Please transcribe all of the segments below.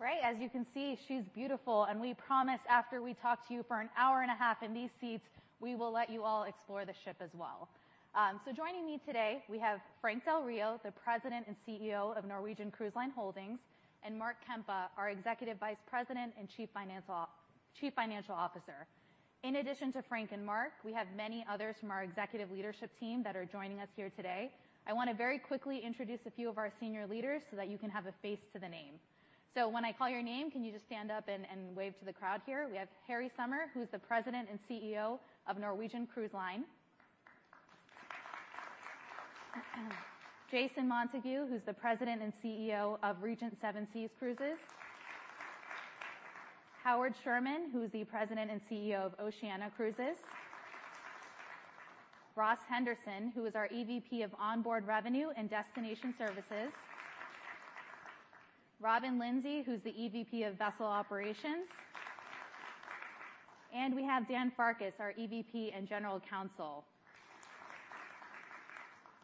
Right. As you can see, she's beautiful, and we promise after we talk to you for an hour and a half in these seats, we will let you all explore the ship as well. Joining me today, we have Frank Del Rio, the President and CEO of Norwegian Cruise Line Holdings, and Mark Kempa, our Executive Vice President and Chief Financial Officer. In addition to Frank and Mark, we have many others from our executive leadership team that are joining us here today. I wanna very quickly introduce a few of our senior leaders so that you can have a face to the name. When I call your name, can you just stand up and wave to the crowd here? We have Harry Sommer, who's the President and CEO of Norwegian Cruise Line. Jason Montague, who's the President and CEO of Regent Seven Seas Cruises. Howard Sherman, who is the President and CEO of Oceania Cruises. Ross Henderson, who is our EVP of Onboard Revenue and Destination Services. Robin Lindsay, who's the EVP of Vessel Operations. We have Dan Farkas, our EVP and General Counsel.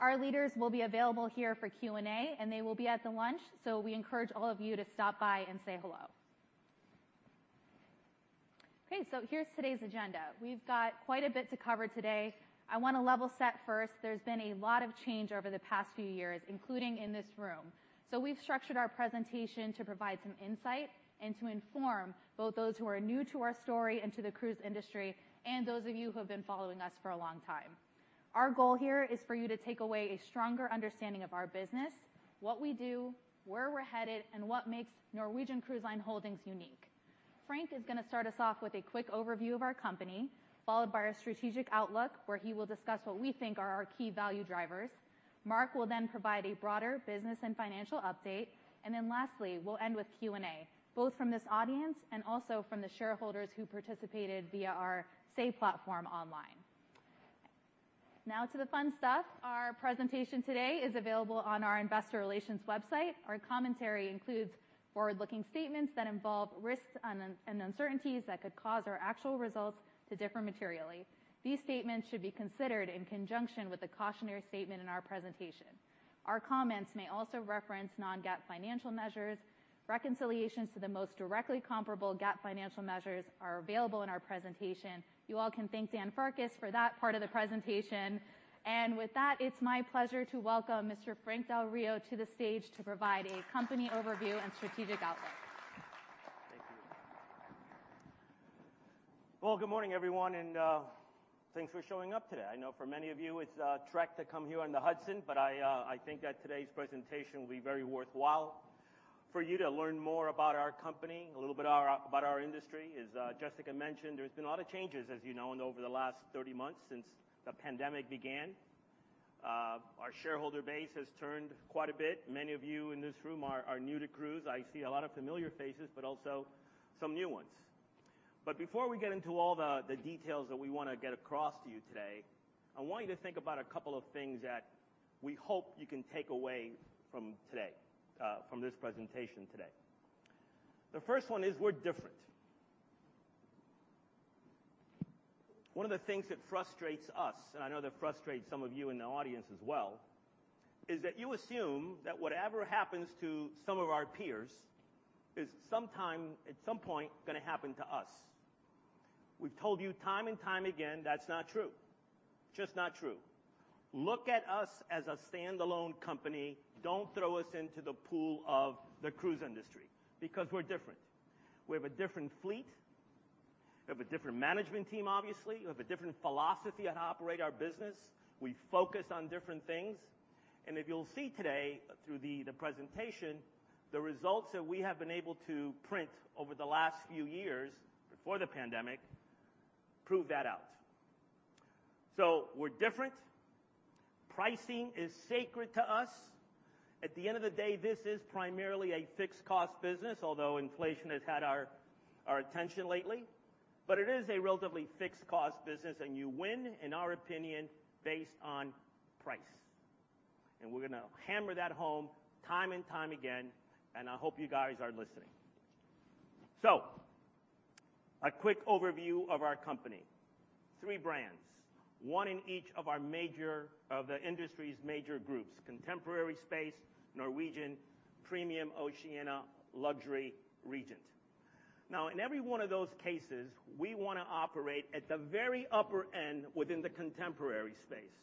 Our leaders will be available here for Q&A, and they will be at the lunch, so we encourage all of you to stop by and say hello. Okay, here's today's agenda. We've got quite a bit to cover today. I wanna level set first. There's been a lot of change over the past few years, including in this room. We've structured our presentation to provide some insight and to inform both those who are new to our story and to the cruise industry and those of you who have been following us for a long time. Our goal here is for you to take away a stronger understanding of our business, what we do, where we're headed, and what makes Norwegian Cruise Line Holdings unique. Frank is gonna start us off with a quick overview of our company, followed by our strategic outlook, where he will discuss what we think are our key value drivers. Mark will then provide a broader business and financial update. Then lastly, we'll end with Q&A, both from this audience and also from the shareholders who participated via our Say platform online. Now to the fun stuff. Our presentation today is available on our investor relations website. Our commentary includes forward-looking statements that involve risks and uncertainties that could cause our actual results to differ materially. These statements should be considered in conjunction with the cautionary statement in our presentation. Our comments may also reference non-GAAP financial measures. Reconciliations to the most directly comparable GAAP financial measures are available in our presentation. You all can thank Dan Farkas for that part of the presentation. With that, it's my pleasure to welcome Mr. Frank Del Rio to the stage to provide a company overview and strategic outlook. Thank you. Well, good morning, everyone, and thanks for showing up today. I know for many of you it's a trek to come here on the Hudson, but I think that today's presentation will be very worthwhile for you to learn more about our company, a little bit about our industry. As Jessica mentioned, there's been a lot of changes, as you know, and over the last 30 months since the pandemic began. Our shareholder base has turned quite a bit. Many of you in this room are new to cruise. I see a lot of familiar faces but also some new ones. Before we get into all the details that we wanna get across to you today, I want you to think about a couple of things that we hope you can take away from today, from this presentation today. The first one is we're different. One of the things that frustrates us, and I know that frustrates some of you in the audience as well, is that you assume that whatever happens to some of our peers is at some point gonna happen to us. We've told you time and time again, that's not true. Just not true. Look at us as a standalone company. Don't throw us into the pool of the cruise industry, because we're different. We have a different fleet. We have a different management team, obviously. We have a different philosophy on how to operate our business. We focus on different things. If you'll see today through the presentation, the results that we have been able to print over the last few years before the pandemic prove that out. We're different. Pricing is sacred to us. At the end of the day, this is primarily a fixed cost business, although inflation has had our attention lately. It is a relatively fixed cost business, and you win, in our opinion, based on price. We're gonna hammer that home time and time again, and I hope you guys are listening. A quick overview of our company. Three brands, one in each of the industry's major groups: contemporary space, Norwegian, premium, Oceania, luxury, Regent. Now, in every one of those cases, we wanna operate at the very upper end within the contemporary space.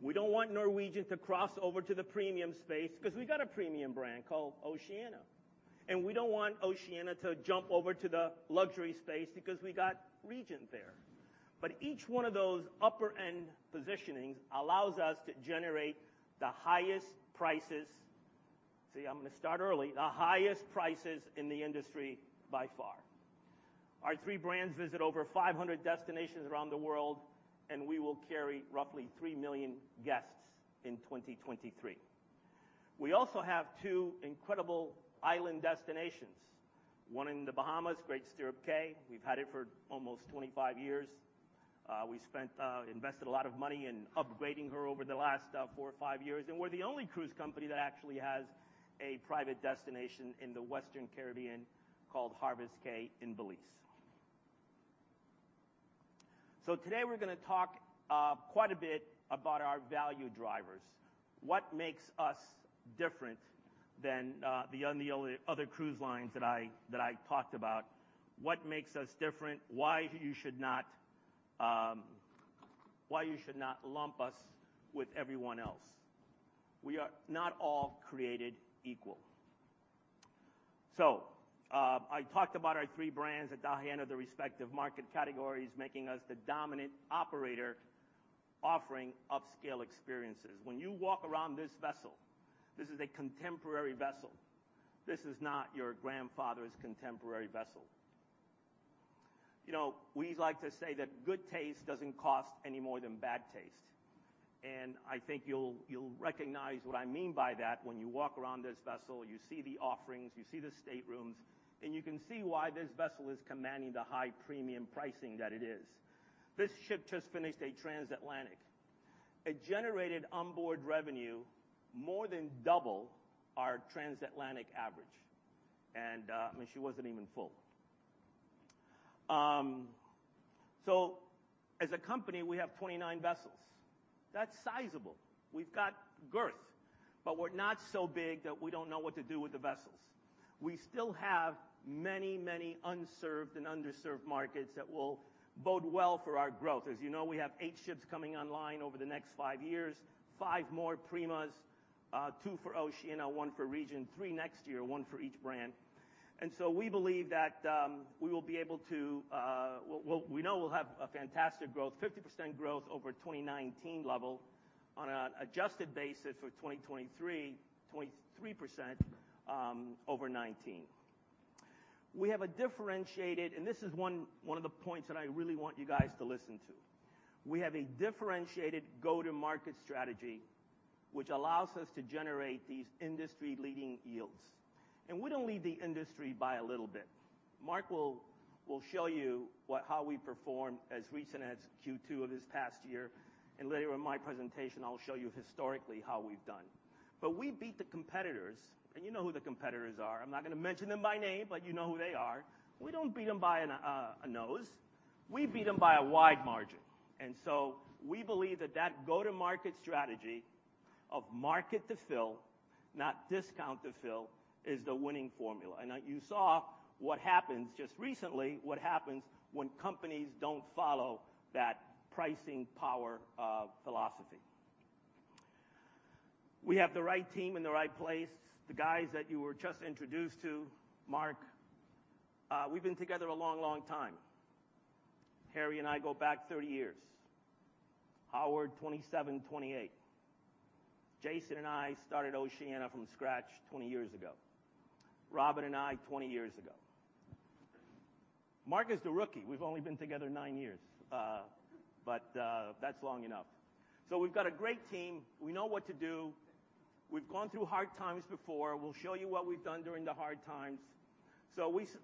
We don't want Norwegian to cross over to the premium space because we got a premium brand called Oceania, and we don't want Oceania to jump over to the luxury space because we got Regent there. Each one of those upper-end positionings allows us to generate the highest prices. See, I'm gonna start early. The highest prices in the industry by far. Our three brands visit over 500 destinations around the world, and we will carry roughly 3 million guests in 2023. We also have two incredible island destinations, one in the Bahamas, Great Stirrup Cay. We've had it for almost 25 years. We invested a lot of money in upgrading her over the last four or five years, and we're the only cruise company that actually has a private destination in the Western Caribbean called Harvest Caye in Belize. Today we're gonna talk quite a bit about our value drivers. What makes us different than the only other cruise lines that I talked about. What makes us different, why you should not lump us with everyone else. We are not all created equal. I talked about our three brands at the high end of the respective market categories, making us the dominant operator offering upscale experiences. When you walk around this vessel, this is a contemporary vessel. This is not your grandfather's contemporary vessel. You know, we like to say that good taste doesn't cost any more than bad taste, and I think you'll recognize what I mean by that when you walk around this vessel, you see the offerings, you see the staterooms, and you can see why this vessel is commanding the high premium pricing that it is. This ship just finished a transatlantic. It generated onboard revenue more than double our transatlantic average, and, I mean, she wasn't even full. So as a company, we have 29 vessels. That's sizable. We've got girth, but we're not so big that we don't know what to do with the vessels. We still have many, many unserved and underserved markets that will bode well for our growth. As you know, we have eight ships coming online over the next five years, five more Prima, two for Oceania, one for Regent, three next year, one for each brand. We believe that we will be able to, we know we'll have a fantastic growth, 50% growth over 2019 level on an adjusted basis for 2023, 23%, over 19. We have a differentiated, and this is one of the points that I really want you guys to listen to. We have a differentiated go-to-market strategy, which allows us to generate these industry-leading yields. We don't lead the industry by a little bit. Mark will show you what, how we performed as recent as Q2 of this past year, and later in my presentation, I'll show you historically how we've done. We beat the competitors, and you know who the competitors are. I'm not gonna mention them by name, but you know who they are. We don't beat them by a nose. We beat them by a wide margin. We believe that go-to-market strategy of market to fill, not discount to fill, is the winning formula. You saw what happens just recently, what happens when companies don't follow that pricing power philosophy. We have the right team in the right place. The guys that you were just introduced to, Mark, we've been together a long, long time. Harry and I go back 30 years. Howard, 27, 28. Jason and I started Oceania from scratch 20 years ago. Robin and I, 20 years ago. Mark is the rookie. We've only been together 9 years, but that's long enough. We've got a great team. We know what to do. We've gone through hard times before. We'll show you what we've done during the hard times.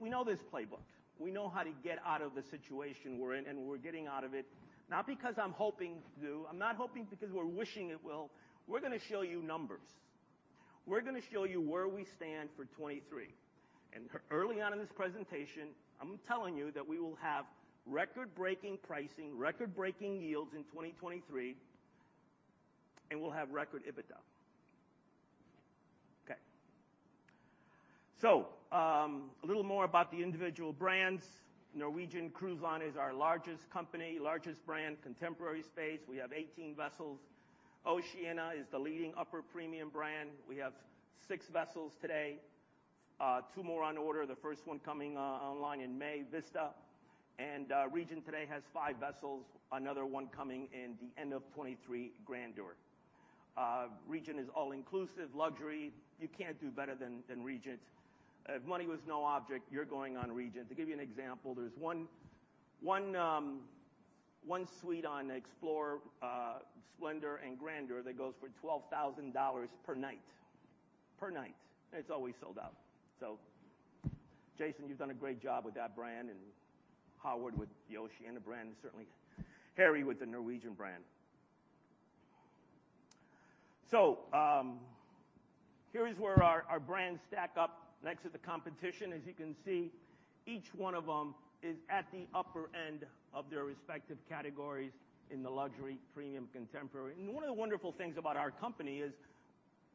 We know this playbook. We know how to get out of the situation we're in, and we're getting out of it, not because I'm hoping to. I'm not hoping because we're wishing it will. We're gonna show you numbers. We're gonna show you where we stand for 2023. Early on in this presentation, I'm telling you that we will have record-breaking pricing, record-breaking yields in 2023, and we'll have record EBITDA. Okay. A little more about the individual brands. Norwegian Cruise Line is our largest company, largest brand, contemporary space. We have 18 vessels. Oceania is the leading upper premium brand. We have six vessels today, two more on order, the first one coming online in May, Vista. Regent today has five vessels, another one coming in the end of 2023, Grandeur. Regent is all-inclusive luxury. You can't do better than Regent. If money was no object, you're going on Regent. To give you an example, there's one suite on Explorer, Splendor, and Grandeur that goes for $12,000 per night. Per night. It's always sold out. Jason, you've done a great job with that brand, and Howard with the Oceania brand, and certainly Harry with the Norwegian brand. Here's where our brands stack up next to the competition. As you can see, each one of them is at the upper end of their respective categories in the luxury, premium, contemporary. One of the wonderful things about our company is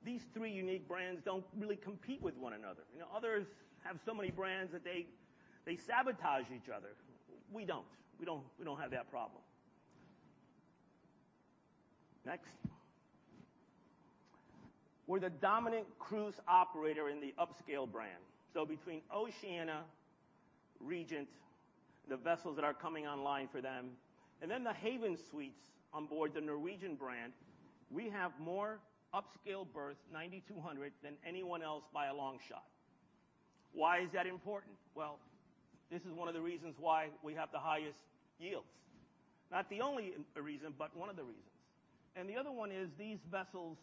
these three unique brands don't really compete with one another. You know, others have so many brands that they sabotage each other. We don't. We don't have that problem. Next. We're the dominant cruise operator in the upscale brand. So between Oceania, Regent, the vessels that are coming online for them, and then the Haven Suites on board the Norwegian brand, we have more upscale berths, 9,200, than anyone else by a long shot. Why is that important? Well, this is one of the reasons why we have the highest yields. Not the only reason, but one of the reasons. The other one is these vessels,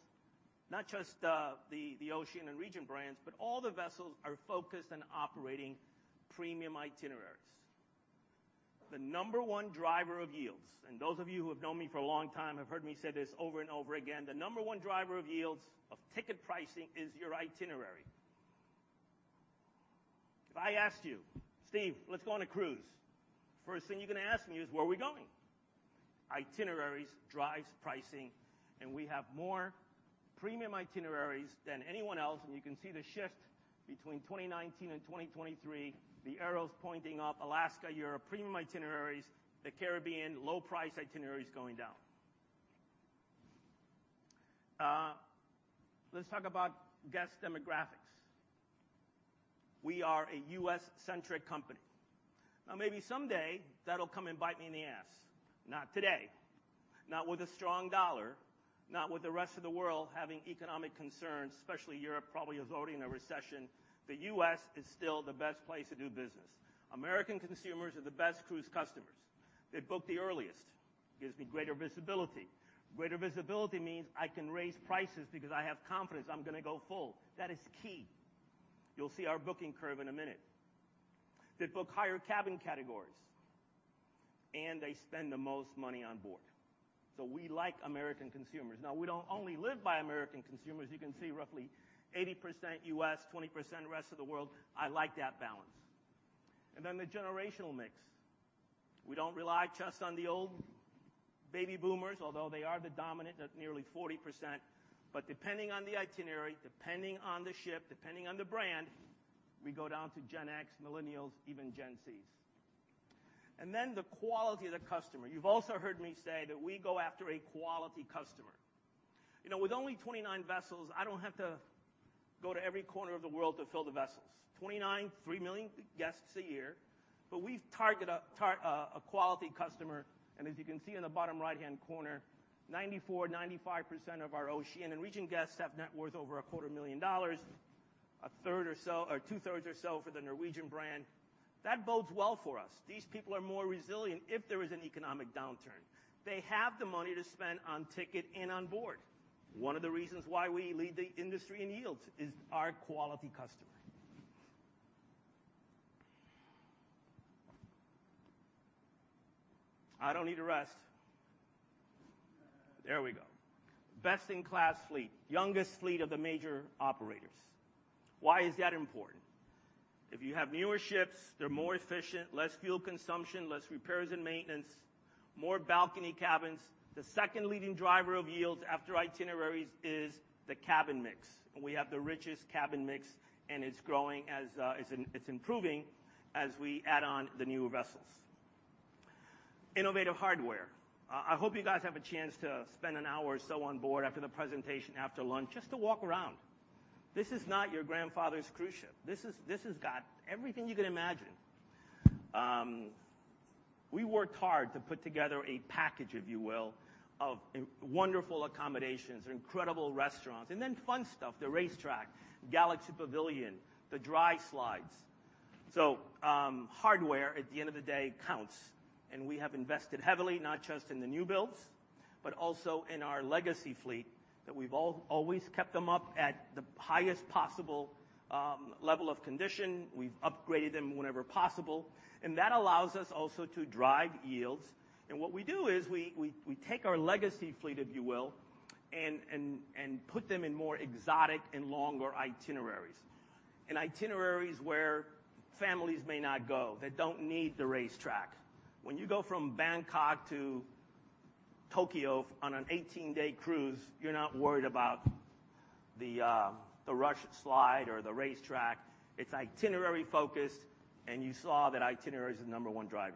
not just the Oceania and Regent brands, but all the vessels are focused on operating premium itineraries. The number one driver of yields, and those of you who have known me for a long time have heard me say this over and over again, the number one driver of yields of ticket pricing is your itinerary. If I asked you, "Steve, let's go on a cruise," first thing you're gonna ask me is, "Where are we going?" Itineraries drives pricing, and we have more premium itineraries than anyone else. You can see the shift between 2019 and 2023, the arrow's pointing up. Alaska, Europe, premium itineraries. The Caribbean, low price itineraries going down. Let's talk about guest demographics. We are a US-centric company. Now, maybe someday that'll come and bite me in the ass. Not today. Not with a strong dollar. Not with the rest of the world having economic concerns, especially Europe probably is already in a recession. The U.S. is still the best place to do business. American consumers are the best cruise customers. They book the earliest. Gives me greater visibility. Greater visibility means I can raise prices because I have confidence I'm gonna go full. That is key. You'll see our booking curve in a minute. They book higher cabin categories, and they spend the most money on board. So we like American consumers. Now, we don't only live by American consumers. You can see roughly 80% U.S., 20% rest of the world. I like that balance. The generational mix. We don't rely just on the old baby boomers, although they are the dominant at nearly 40%, but depending on the itinerary, depending on the ship, depending on the brand, we go down to Gen X, Millennials, even Gen Z. The quality of the customer. You've also heard me say that we go after a quality customer. You know, with only 29 vessels, I don't have to go to every corner of the world to fill the vessels. 29, 3 million guests a year, but we target a quality customer, and as you can see in the bottom right-hand corner, 94%-95% of our Oceania and Regent guests have net worth over a quarter million dollars. Or two-thirds or so for the Norwegian brand. That bodes well for us. These people are more resilient if there is an economic downturn. They have the money to spend on ticket and on board. One of the reasons why we lead the industry in yields is our quality customer. I don't need to rest. There we go. Best-in-class fleet. Youngest fleet of the major operators. Why is that important? If you have newer ships, they're more efficient, less fuel consumption, less repairs and maintenance, more balcony cabins. The second leading driver of yields after itineraries is the cabin mix, and we have the richest cabin mix, and it's growing as it's improving as we add on the newer vessels. Innovative hardware. I hope you guys have a chance to spend an hour or so on board after the presentation, after lunch, just to walk around. This is not your grandfather's cruise ship. This is. This has got everything you could imagine. We worked hard to put together a package, if you will, of wonderful accommodations, incredible restaurants, and then fun stuff, the racetrack, Galaxy Pavilion, the dry slides. Hardware, at the end of the day, counts, and we have invested heavily, not just in the new builds, but also in our legacy fleet, that we've always kept them up at the highest possible level of condition. We've upgraded them whenever possible, and that allows us also to drive yields. What we do is we take our legacy fleet, if you will, and put them in more exotic and longer itineraries, and itineraries where families may not go, that don't need the racetrack. When you go from Bangkok to Tokyo on an 18-day cruise, you're not worried about the rush slide or the racetrack. It's itinerary-focused, and you saw that itinerary is the number one driver.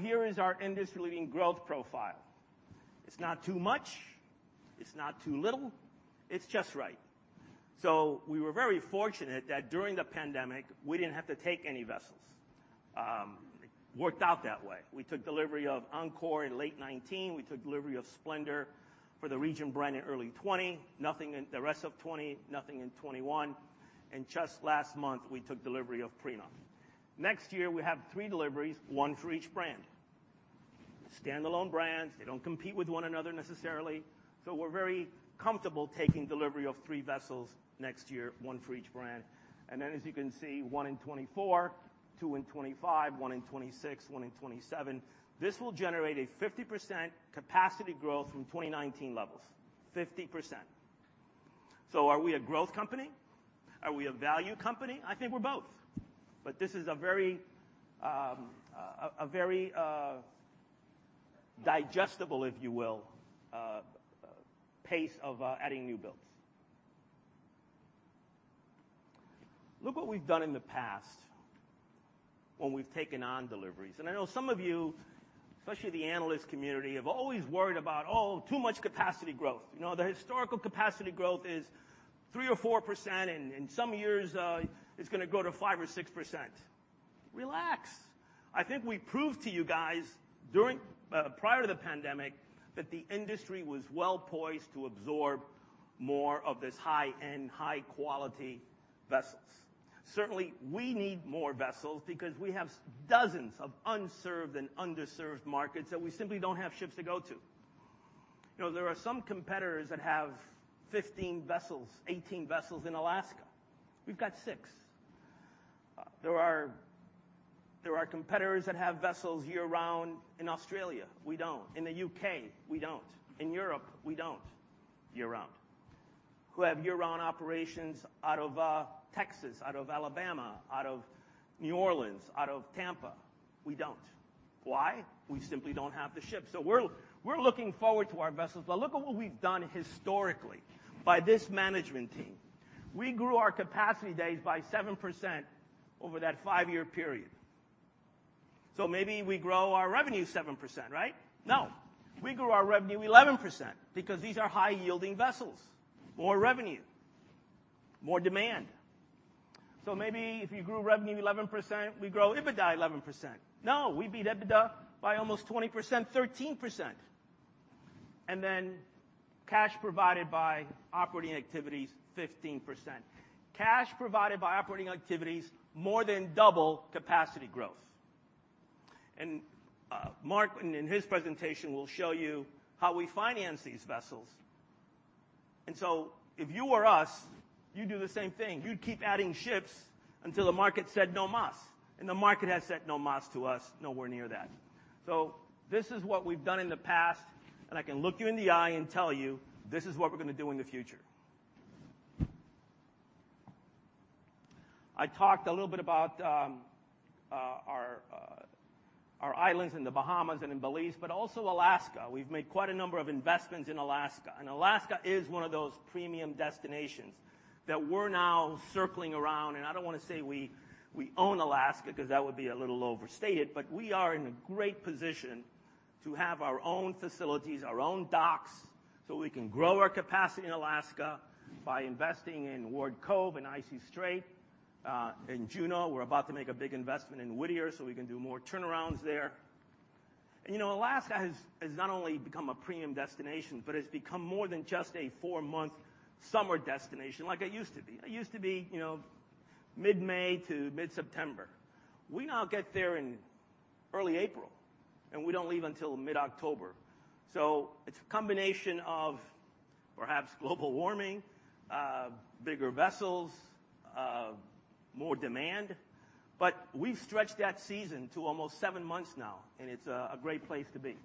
Here is our industry-leading growth profile. It's not too much. It's not too little. It's just right. We were very fortunate that during the pandemic, we didn't have to take any vessels. It worked out that way. We took delivery of Encore in late 2019. We took delivery of Splendor for the Regent brand in early 2020. Nothing in the rest of 2020, nothing in 2021, and just last month we took delivery of Prima. Next year we have three deliveries, one for each brand. Standalone brands, they don't compete with one another necessarily, so we're very comfortable taking delivery of three vessels next year, one for each brand. As you can see, one in 2024, two in 2025, one in 2026, one in 2027. This will generate a 50% capacity growth from 2019 levels. 50%. Are we a growth company? Are we a value company? I think we're both. This is a very, a very digestible, if you will, pace of adding new builds. Look what we've done in the past when we've taken on deliveries. I know some of you, especially the analyst community, have always worried about, oh, too much capacity growth. You know, the historical capacity growth is 3% or 4% and some years it's gonna go to 5% or 6%. Relax. I think we proved to you guys during prior to the pandemic that the industry was well-poised to absorb more of this high-end, high-quality vessels. Certainly, we need more vessels because we have dozens of unserved and underserved markets that we simply don't have ships to go to. You know, there are some competitors that have 15 vessels, 18 vessels in Alaska. We've got six. There are competitors that have vessels year-round in Australia. We don't. In the U.K., we don't. In Europe, we don't year-round. Who have year-round operations out of Texas, out of Alabama, out of New Orleans, out of Tampa, we don't. Why? We simply don't have the ships. We're looking forward to our vessels, but look at what we've done historically by this management team. We grew our capacity days by 7% over that five-year period. Maybe we grow our revenue 7%, right? No. We grew our revenue 11% because these are high-yielding vessels. More revenue, more demand. Maybe if you grew revenue 11%, we grow EBITDA 11%. No, we beat EBITDA by almost 20%, 13%, and then cash provided by operating activities, 15%. Cash provided by operating activities, more than double capacity growth. Mark in his presentation will show you how we finance these vessels. If you were us, you'd do the same thing. You'd keep adding ships until the market said, "No mas," and the market has said no mas to us, nowhere near that. This is what we've done in the past, and I can look you in the eye and tell you this is what we're gonna do in the future. I talked a little bit about our islands in the Bahamas and in Belize, but also Alaska. We've made quite a number of investments in Alaska, and Alaska is one of those premium destinations that we're now circling around, and I don't wanna say we own Alaska because that would be a little overstated, but we are in a great position to have our own facilities, our own docks, so we can grow our capacity in Alaska by investing in Ward Cove and Icy Strait. In Juneau, we're about to make a big investment in Whittier, so we can do more turnarounds there. You know, Alaska has not only become a premium destination, but it's become more than just a four-month summer destination like it used to be. It used to be, you know, mid-May to mid-September. We now get there in early April, and we don't leave until mid-October. It's a combination of perhaps global warming, bigger vessels, more demand. We've stretched that season to almost seven months now, and it's a great place to be.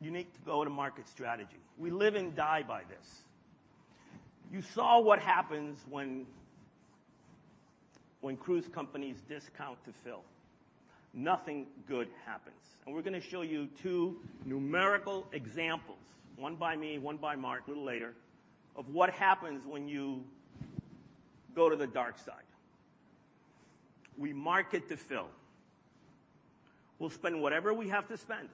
Unique to go-to-market strategy. We live and die by this. You saw what happens when cruise companies discount to fill. Nothing good happens. We're gonna show you two numerical examples, one by me, one by Mark a little later, of what happens when you go to the dark side. We market to fill. We'll spend whatever we have to spend.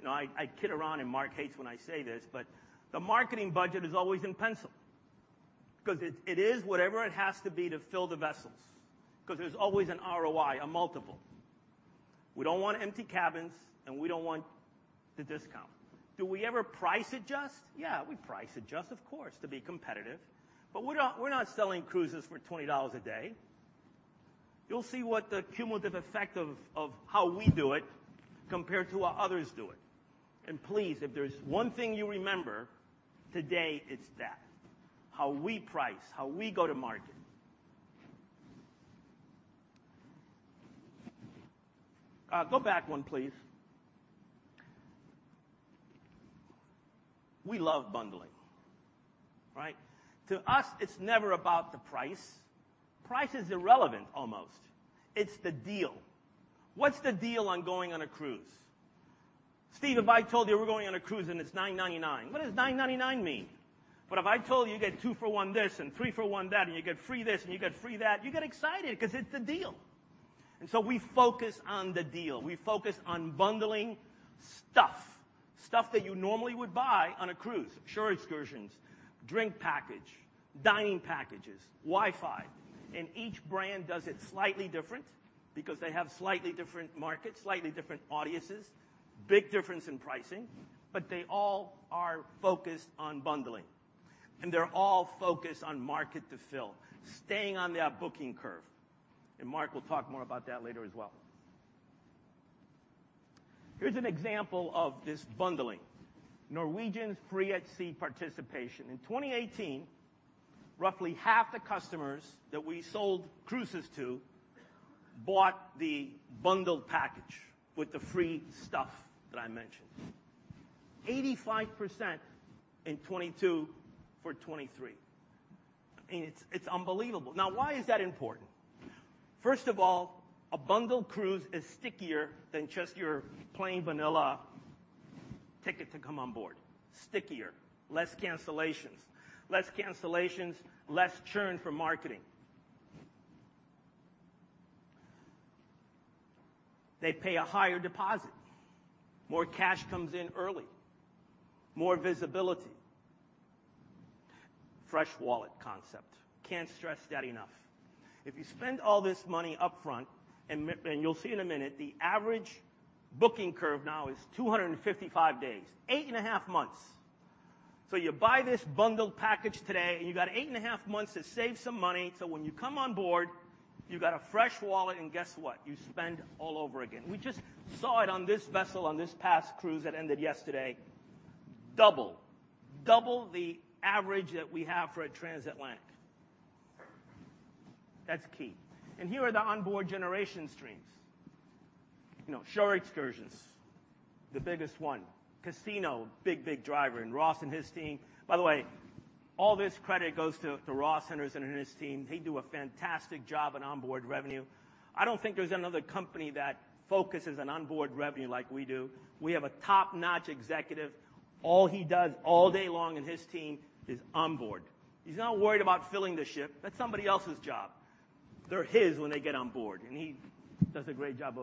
You know, I kid around, and Mark hates when I say this, but the marketing budget is always in pencil because it is whatever it has to be to fill the vessels, because there's always an ROI, a multiple. We don't want empty cabins, and we don't want the discount. Do we ever price adjust? Yeah, we price adjust, of course, to be competitive. But we're not, we're not selling cruises for $20 a day. You'll see what the cumulative effect of how we do it compared to how others do it. Please, if there's one thing you remember today, it's that. How we price, how we go to market. Go back one, please. We love bundling, right? To us, it's never about the price. Price is irrelevant almost. It's the deal. What's the deal on going on a cruise? Steve, if I told you we're going on a cruise and it's $9.99, what does $9.99 mean? If I told you get two for one this and three for one that, and you get free this, and you get free that, you get excited because it's a deal. We focus on the deal. We focus on bundling stuff that you normally would buy on a cruise. Shore excursions, drink package, dining packages, Wi-Fi, and each brand does it slightly different because they have slightly different markets, slightly different audiences, big difference in pricing, but they all are focused on bundling, and they're all focused on market to fill, staying on that booking curve. Mark will talk more about that later as well. Here's an example of this bundling. Norwegian's Free at Sea participation. In 2018, roughly half the customers that we sold cruises to bought the bundled package with the free stuff that I mentioned. 85% in 2022 for 2023. I mean, it's unbelievable. Now, why is that important? First of all, a bundled cruise is stickier than just your plain vanilla ticket to come on board. Stickier, less cancellations. Less cancellations, less churn for marketing. They pay a higher deposit. More cash comes in early, more visibility. Fresh wallet concept. Can't stress that enough. If you spend all this money upfront, you'll see in a minute, the average booking curve now is 255 days, 8.5 months. You buy this bundled package today, and you got 8.5 months to save some money, so when you come on board. You got a fresh wallet, and guess what? You spend all over again. We just saw it on this vessel on this past cruise that ended yesterday. Double the average that we have for a transatlantic. That's key. Here are the onboard revenue streams. You know, shore excursions, the biggest one. Casino, big, big driver. And Ross and his team... By the way, all this credit goes to Ross Henderson and his team. They do a fantastic job in onboard revenue. I don't think there's another company that focuses on onboard revenue like we do. We have a top-notch executive. All he does all day long in his team is onboard. He's not worried about filling the ship. That's somebody else's job. They're his when they get on board, and he does a great job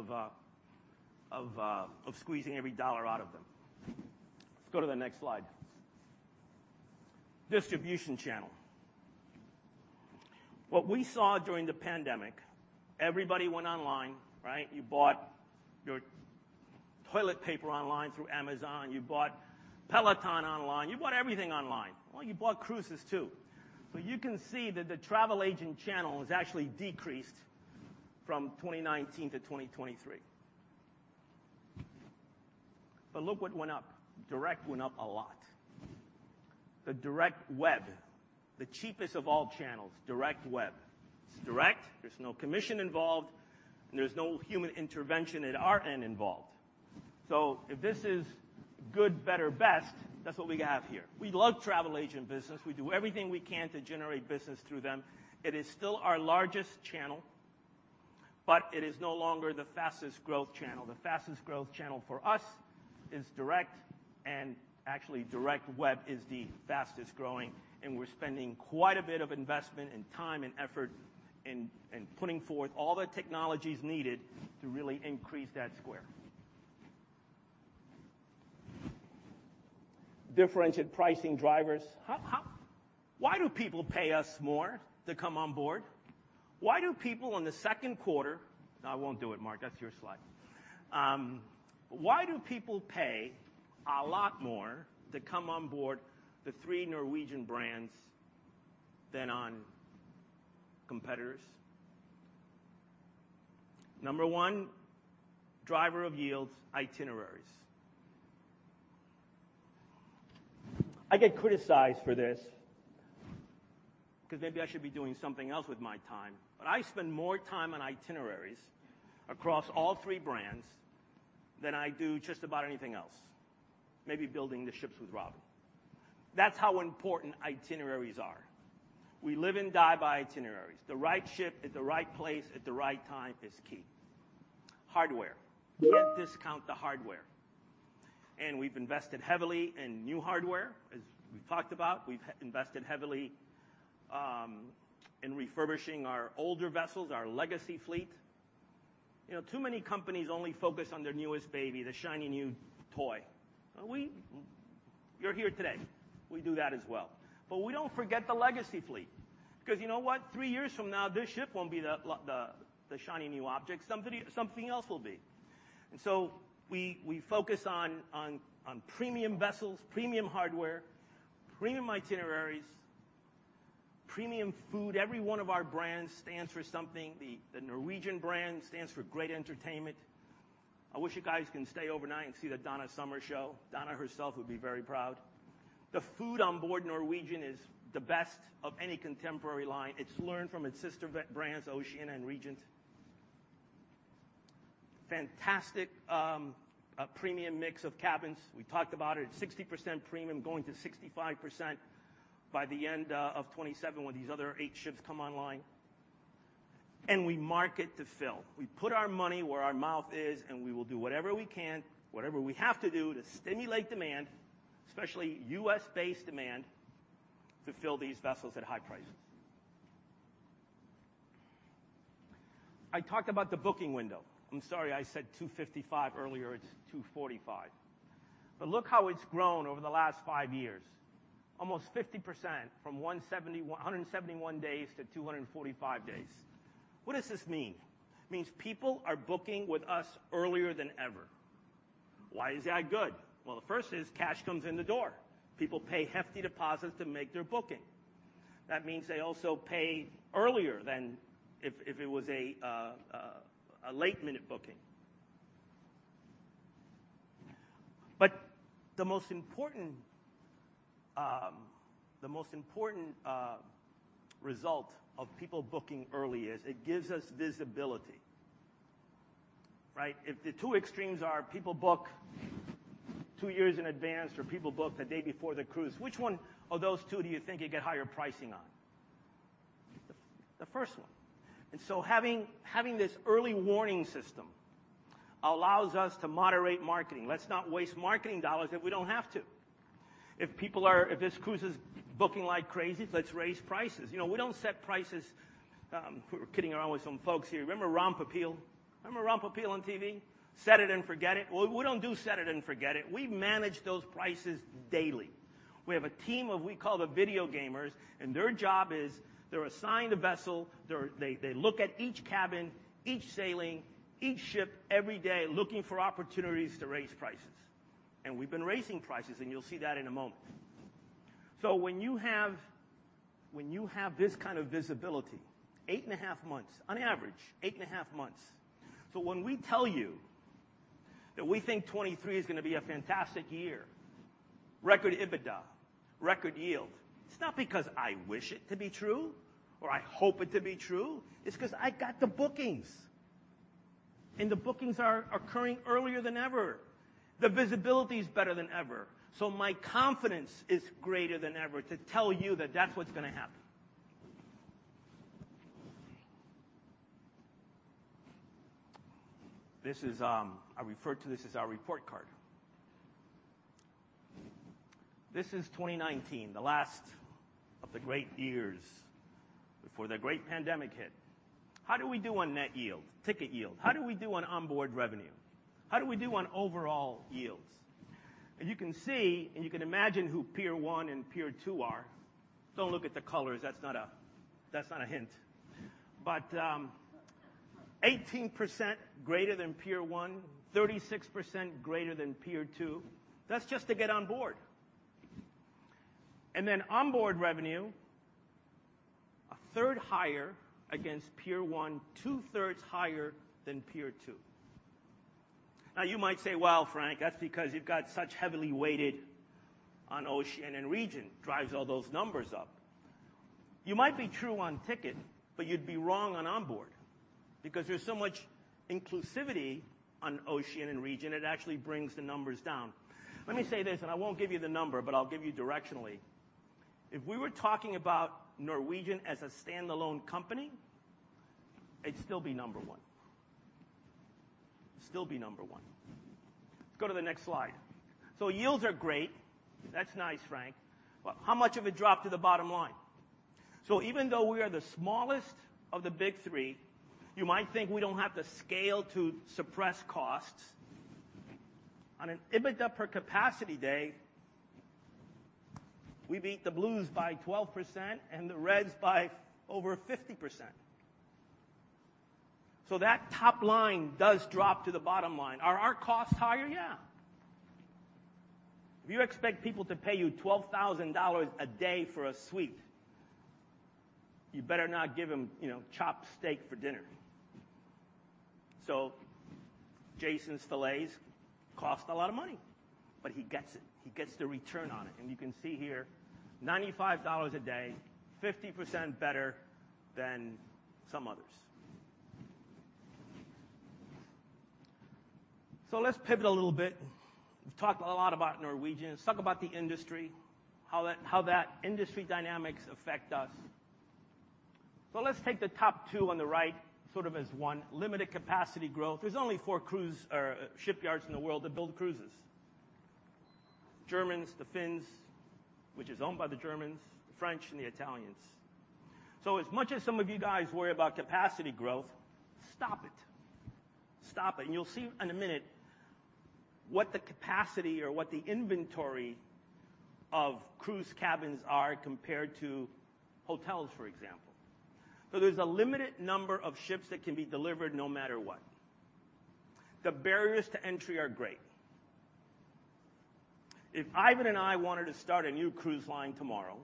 of squeezing every dollar out of them. Let's go to the next slide. Distribution channel. What we saw during the pandemic, everybody went online, right? You bought your toilet paper online through Amazon. You bought Peloton online. You bought everything online. Well, you bought cruises too. So you can see that the travel agent channel has actually decreased from 2019-2023. Look what went up. Direct went up a lot. The direct web, the cheapest of all channels, direct web. It's direct. There's no commission involved, and there's no human intervention at our end involved. So if this is good, better, best, that's what we have here. We love travel agent business. We do everything we can to generate business through them. It is still our largest channel, but it is no longer the fastest growth channel. The fastest growth channel for us is direct, and actually, direct web is the fastest-growing, and we're spending quite a bit of investment, and time, and effort in putting forth all the technologies needed to really increase that share. Differentiated pricing drivers. Why do people pay us more to come on board? No, I won't do it, Mark. That's your slide. Why do people pay a lot more to come on board the three Norwegian brands than on competitors? Number one, driver of yields, itineraries. I get criticized for this because maybe I should be doing something else with my time, but I spend more time on itineraries across all three brands than I do just about anything else. Maybe building the ships with Robin. That's how important itineraries are. We live and die by itineraries. The right ship at the right place at the right time is key. Hardware. Can't discount the hardware, and we've invested heavily in new hardware, as we've talked about. We've invested heavily in refurbishing our older vessels, our legacy fleet. You know, too many companies only focus on their newest baby, the shiny new toy. You're here today. We do that as well. We don't forget the legacy fleet because you know what? Three years from now, this ship won't be the shiny new object. Something else will be. We focus on premium vessels, premium hardware, premium itineraries, premium food. Every one of our brands stands for something. The Norwegian brand stands for great entertainment. I wish you guys can stay overnight and see the Donna Summer show. Donna herself would be very proud. The food on board Norwegian is the best of any contemporary line. It's learned from its sister brands, Oceania and Regent. Fantastic premium mix of cabins. We talked about it. 60% premium going to 65% by the end of 2027 when these other eight ships come online. We market to fill. We put our money where our mouth is, and we will do whatever we can, whatever we have to do to stimulate demand, especially U.S.-based demand, to fill these vessels at high prices. I talked about the booking window. I'm sorry, I said 255 earlier. It's 245. Look how it's grown over the last five years. Almost 50% from 171 days-45 days. What does this mean? It means people are booking with us earlier than ever. Why is that good? Well, the first is cash comes in the door. People pay hefty deposits to make their booking. That means they also pay earlier than if it was a last-minute booking. The most important result of people booking early is it gives us visibility, right? If the two extremes are people book two years in advance or people book the day before the cruise, which one of those two do you think you get higher pricing on? The first one. Having this early warning system allows us to moderate marketing. Let's not waste marketing dollars if we don't have to. If this cruise is booking like crazy, let's raise prices. You know, we don't set prices, kidding around with some folks here. Remember Ronco? Remember Ronco on TV? Set it and forget it. Well, we don't do set it and forget it. We manage those prices daily. We have a team of, we call the video gamers, and their job is they're assigned a vessel. They look at each cabin, each sailing, each ship every day looking for opportunities to raise prices. We've been raising prices, and you'll see that in a moment. When you have this kind of visibility, 8.5 months on average. When we tell you that we think 2023 is gonna be a fantastic year, record EBITDA, record yield, it's not because I wish it to be true or I hope it to be true. It's 'cause I got the bookings, and the bookings are occurring earlier than ever. The visibility is better than ever. My confidence is greater than ever to tell you that that's what's gonna happen. This is our report card. This is 2019, the last of the great years before the great pandemic hit. How do we do on Net Yield? Ticket yield? How do we do on onboard revenue? How do we do on overall yields? You can see, and you can imagine who peer one and peer two are. Don't look at the colors. That's not a hint. 18% greater than peer one, 36% greater than peer two. That's just to get on board. Then onboard revenue, a third higher against peer one, two-thirds higher than peer two. Now you might say, "Well, Frank, that's because you've got such heavily weighted on Oceania and Regent, drives all those numbers up." You might be true on ticket, but you'd be wrong on onboard because there's so much inclusivity on Oceania and Regent, it actually brings the numbers down. Let me say this, and I won't give you the number, but I'll give you directionally. If we were talking about Norwegian as a standalone company, it'd still be number one. Still be number one. Go to the next slide. Yields are great. That's nice, Frank Del Rio. How much of it dropped to the bottom line? Even though we are the smallest of the big three, you might think we don't have the scale to suppress costs. On an EBITDA per capacity day, we beat the blues by 12% and the reds by over 50%. That top line does drop to the bottom line. Are our costs higher? Yeah. If you expect people to pay you $12,000 a day for a suite, you better not give them, you know, chopped steak for dinner. Jason Montague's filets cost a lot of money, but he gets it. He gets the return on it. You can see here, $95 a day, 50% better than some others. Let's pivot a little bit. We've talked a lot about Norwegian. Let's talk about the industry, how that industry dynamics affect us. Let's take the top two on the right sort of as one. Limited capacity growth. There's only four cruise, or shipyards in the world that build cruises. Germans, the Finns, which is owned by the Germans, the French and the Italians. As much as some of you guys worry about capacity growth, stop it, and you'll see in a minute what the capacity or what the inventory of cruise cabins are compared to hotels, for example. There's a limited number of ships that can be delivered no matter what. The barriers to entry are great. If Ivan and I wanted to start a new cruise line tomorrow,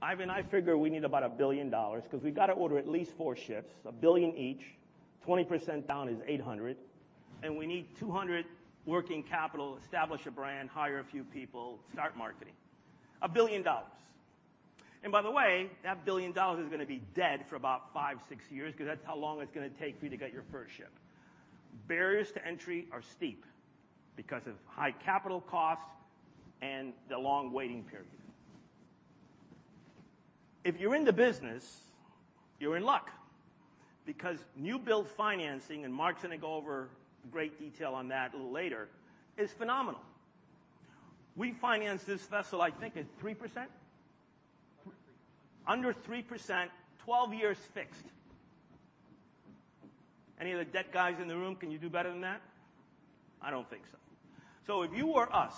Ivan and I figure we need about $1 billion because we've got to order at least four ships, $1 billion each, 20% down is $800 million, and we need $200 million working capital, establish a brand, hire a few people, start marketing. $1 billion. By the way, that $1 billion is gonna be dead for about 5-6 years, because that's how long it's gonna take for you to get your first ship. Barriers to entry are steep because of high capital costs and the long waiting period. If you're in the business, you're in luck because new-build financing, and Mark's gonna go over great detail on that a little later, is phenomenal. We financed this vessel, I think at 3%. Under 3%. Under 3%, 12 years fixed. Any of the debt guys in the room, can you do better than that? I don't think so. If you were us,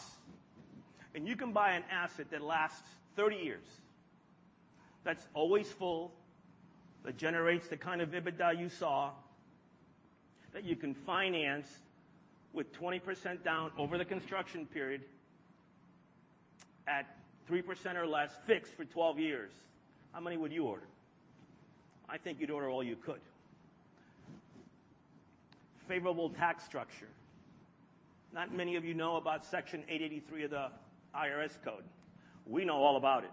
and you can buy an asset that lasts 30 years, that's always full, that generates the kind of EBITDA you saw, that you can finance with 20% down over the construction period at 3% or less fixed for 12 years, how many would you order? I think you'd order all you could. Favorable tax structure. Not many of you know about Section 883 of the IRS code. We know all about it.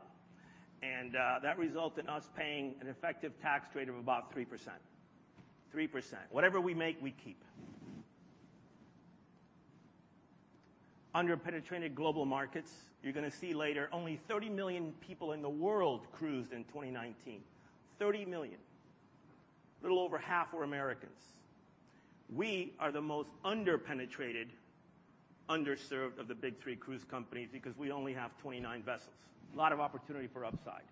That resulted in us paying an effective tax rate of about 3%. 3%. Whatever we make, we keep. Under-penetrated global markets. You're gonna see later, only 30 million people in the world cruised in 2019. 30 million. A little over half were Americans. We are the most under-penetrated, underserved of the big three cruise companies because we only have 29 vessels. A lot of opportunity for upside.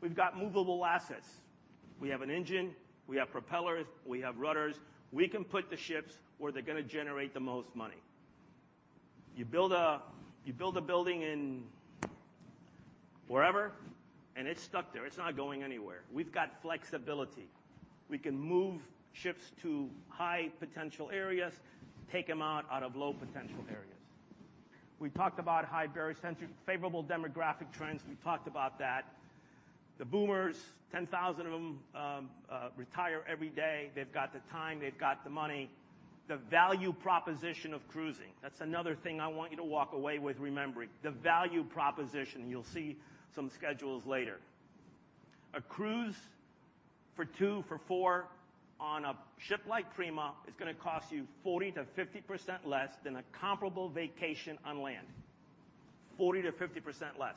We've got movable assets. We have an engine, we have propellers, we have rudders. We can put the ships where they're gonna generate the most money. You build a building wherever, and it's stuck there. It's not going anywhere. We've got flexibility. We can move ships to high-potential areas, take them out of low-potential areas. We talked about highly favorable demographic trends. We talked about that. The boomers, 10,000 of them, retire every day. They've got the time, they've got the money. The value proposition of cruising, that's another thing I want you to walk away with remembering. The value proposition. You'll see some schedules later. A cruise for two, for four on a ship like Prima is gonna cost you 40%-50% less than a comparable vacation on land. 40%-50% less.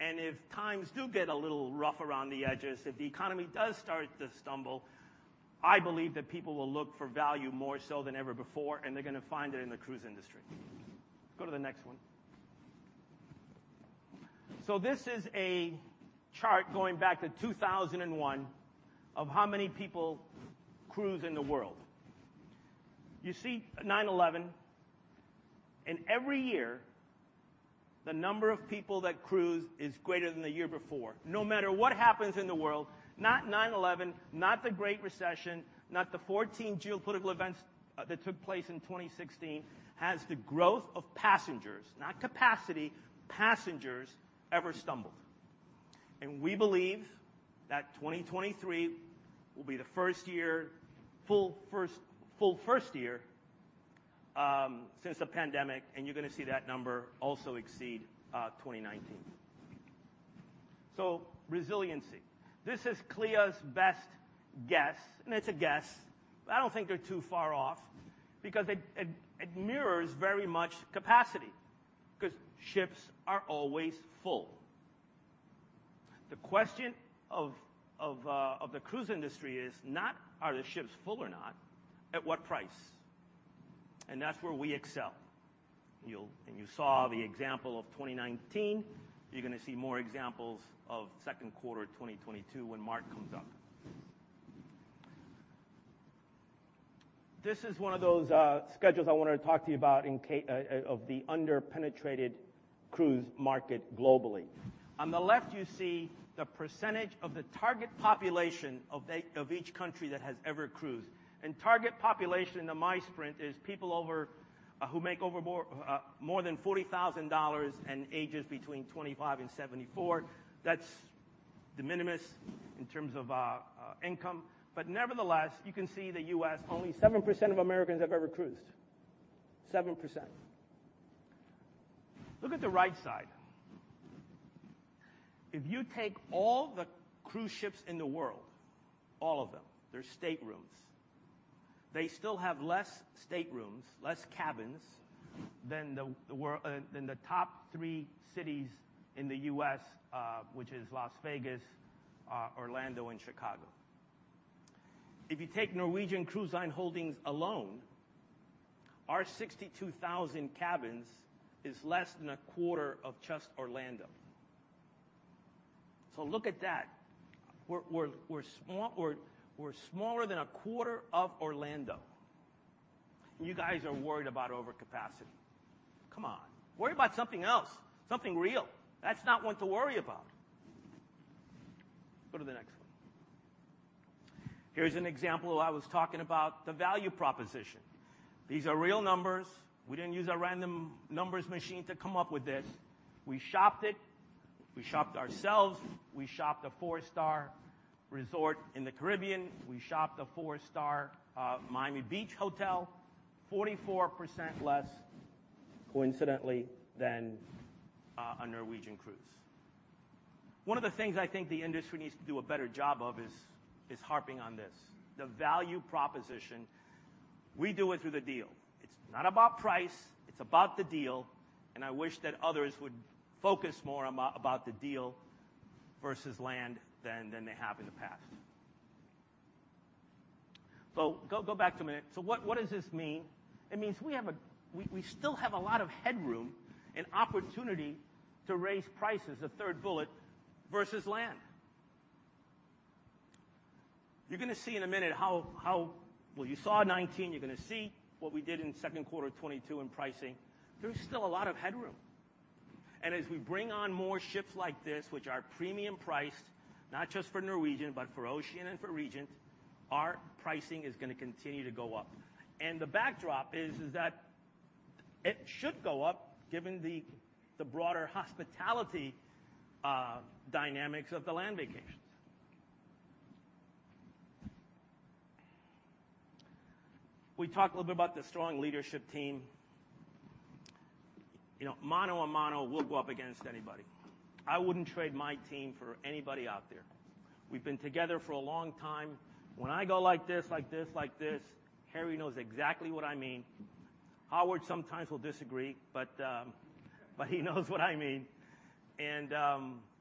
If times do get a little rough around the edges, if the economy does start to stumble, I believe that people will look for value more so than ever before, and they're gonna find it in the cruise industry. Go to the next one. This is a chart going back to 2001 of how many people cruise in the world. You see 9/11. Every year, the number of people that cruise is greater than the year before. No matter what happens in the world, not 9/11, not the Great Recession, not the 14 geopolitical events that took place in 2016, has the growth of passengers, not capacity, passengers ever stumbled. We believe that 2023 will be the first full year since the pandemic, and you're gonna see that number also exceed 2019. Resiliency. This is CLIA's best guess, and it's a guess. I don't think they're too far off because it mirrors very much capacity, 'cause ships are always full. The question of the cruise industry is not are the ships full or not, at what price? That's where we excel. You saw the example of 2019. You're gonna see more examples of second quarter 2022 when Mark comes up. This is one of those schedules I wanted to talk to you about of the under-penetrated cruise market globally. On the left, you see the percentage of the target population of each country that has ever cruised. Target population to my sprint is people over who make more than $40,000 and ages between 25 and 74. That's de minimis in terms of income. Nevertheless, you can see the U.S., only 7% of Americans have ever cruised. 7%. Look at the right side. If you take all the cruise ships in the world, all of them, their staterooms, they still have less staterooms, less cabins than the top three cities in the U.S., which is Las Vegas, Orlando and Chicago. If you take Norwegian Cruise Line Holdings alone, our 62,000 cabins is less than a quarter of just Orlando. Look at that. We're small. We're smaller than a quarter of Orlando, and you guys are worried about overcapacity. Come on, worry about something else, something real. That's not one to worry about. Go to the next one. Here's an example I was talking about the value proposition. These are real numbers. We didn't use a random numbers machine to come up with this. We shopped it. We shopped ourselves. We shopped a four-star resort in the Caribbean. We shopped a four-star Miami Beach hotel. 44% less, coincidentally, than a Norwegian cruise. One of the things I think the industry needs to do a better job of is harping on this, the value proposition. We do it through the deal. It's not about price, it's about the deal, and I wish that others would focus more about the deal versus land than they have in the past. Go back a minute. What does this mean? It means we have a lot of headroom and opportunity to raise prices, the third bullet, versus land. You're gonna see in a minute. Well, you saw 2019. You're gonna see what we did in second quarter of 2022 in pricing. There's still a lot of headroom. As we bring on more ships like this, which are premium-priced, not just for Norwegian, but for Ocean and for Regent, our pricing is gonna continue to go up. The backdrop is that it should go up given the broader hospitality dynamics of the land vacations. We talked a little bit about the strong leadership team. You know, Mano a Mano, we'll go up against anybody. I wouldn't trade my team for anybody out there. We've been together for a long time. When I go like this, like this, like this, Harry knows exactly what I mean. Howard sometimes will disagree, but he knows what I mean.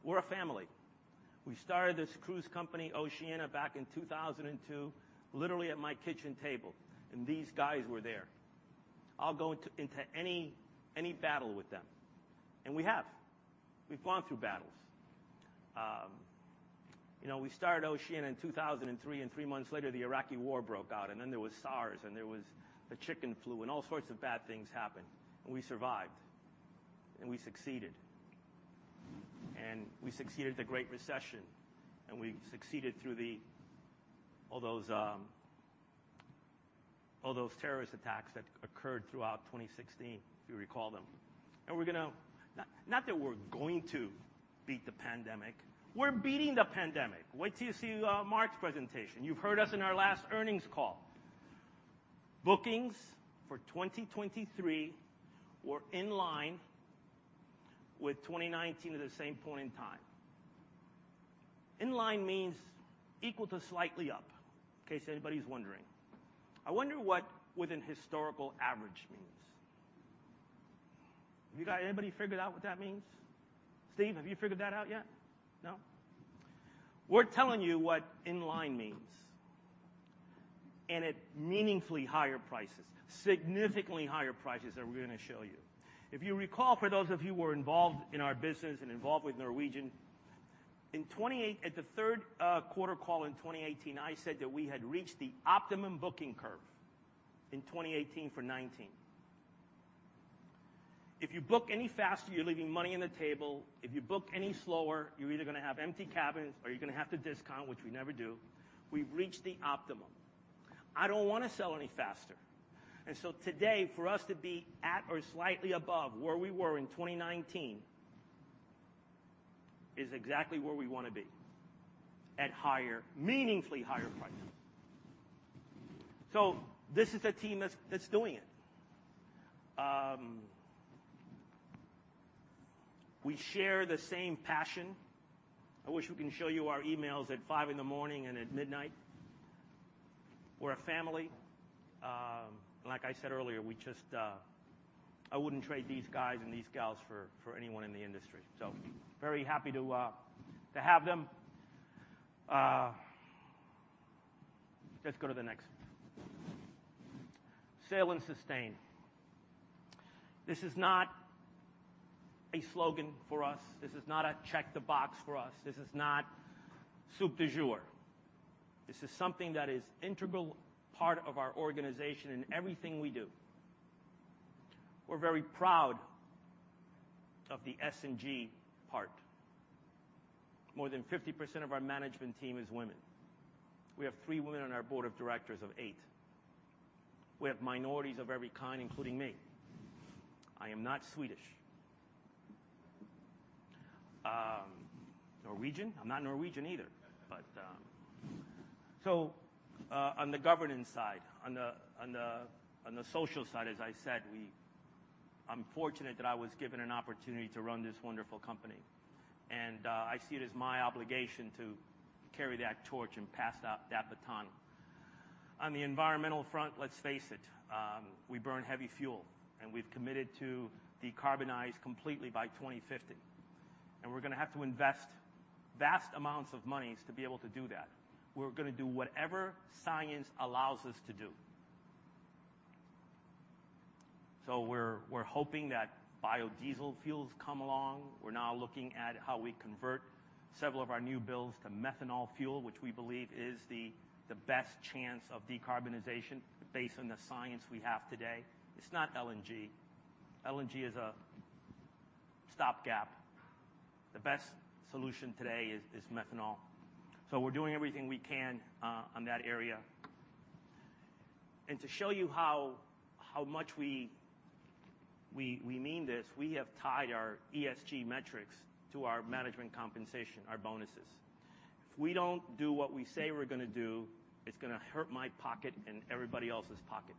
We're a family. We started this cruise company, Oceania, back in 2002, literally at my kitchen table, and these guys were there. I'll go into any battle with them. We have. We've gone through battles. We started Oceania in 2003, and three months later, the Iraq War broke out, and then there was SARS, and there was the chicken flu, and all sorts of bad things happened. We survived, and we succeeded. We succeeded the Great Recession, and we succeeded through all those, all those terrorist attacks that occurred throughout 2016, if you recall them. We're gonna. Not that we're going to beat the pandemic. We're beating the pandemic. Wait till you see, Mark's presentation. You've heard us in our last earnings call. Bookings for 2023 were in line with 2019 at the same point in time. In line means equal to slightly up, in case anybody's wondering. I wonder what within historical average means. Have you got anybody figured out what that means? Steve, have you figured that out yet? No? We're telling you what in line means, and at meaningfully higher prices. Significantly higher prices that we're gonna show you. If you recall, for those of you who were involved in our business and involved with Norwegian, at the third quarter call in 2018, I said that we had reached the optimum booking curve in 2018 for 2019. If you book any faster, you're leaving money on the table. If you book any slower, you're either gonna have empty cabins, or you're gonna have to discount, which we never do. We've reached the optimum. I don't wanna sell any faster. Today, for us to be at or slightly above where we were in 2019 is exactly where we wanna be, at higher, meaningfully higher prices. This is a team that's doing it. We share the same passion. I wish we can show you our emails at 5 in the morning and at midnight. We're a family. Like I said earlier, I wouldn't trade these guys and these gals for anyone in the industry. Very happy to have them. Let's go to the next. Sail & Sustain. This is not a slogan for us. This is not a check the box for us. This is not soup du jour. This is something that is integral part of our organization and everything we do. We're very proud of the S&G part. More than 50% of our management team is women. We have three women on our board of directors of eight. We have minorities of every kind, including me. I am not Swedish. Norwegian? I'm not Norwegian either. On the governance side, on the social side, as I said. I'm fortunate that I was given an opportunity to run this wonderful company. I see it as my obligation to carry that torch and pass out that baton. On the environmental front, let's face it, we burn heavy fuel, and we've committed to decarbonize completely by 2050. We're gonna have to invest vast amounts of monies to be able to do that. We're gonna do whatever science allows us to do. We're hoping that biodiesel fuels come along. We're now looking at how we convert several of our new builds to methanol fuel, which we believe is the best chance of decarbonization based on the science we have today. It's not LNG. LNG is a stopgap. The best solution today is methanol. We're doing everything we can on that area. To show you how much we mean this, we have tied our ESG metrics to our management compensation, our bonuses. If we don't do what we say we're gonna do, it's gonna hurt my pocket and everybody else's pocket.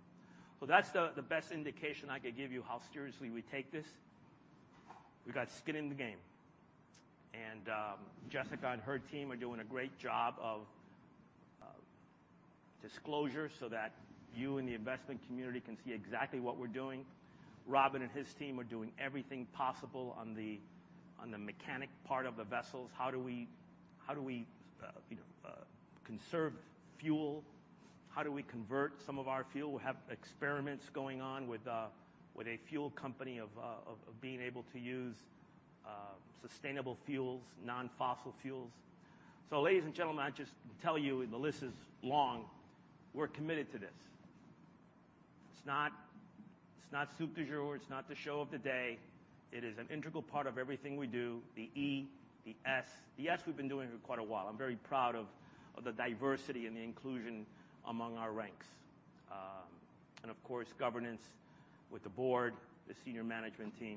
That's the best indication I could give you how seriously we take this. We got skin in the game. Jessica and her team are doing a great job of disclosure so that you and the investment community can see exactly what we're doing. Robin and his team are doing everything possible on the mechanic part of the vessels. How do we conserve fuel? How do we convert some of our fuel? We have experiments going on with a fuel company of being able to use sustainable fuels, non-fossil fuels. Ladies and gentlemen, I just tell you, and the list is long, we're committed to this. It's not soup du jour. It's not the show of the day. It is an integral part of everything we do. The E, the S. The S, we've been doing for quite a while. I'm very proud of the diversity and the inclusion among our ranks. Of course, governance with the board, the senior management team.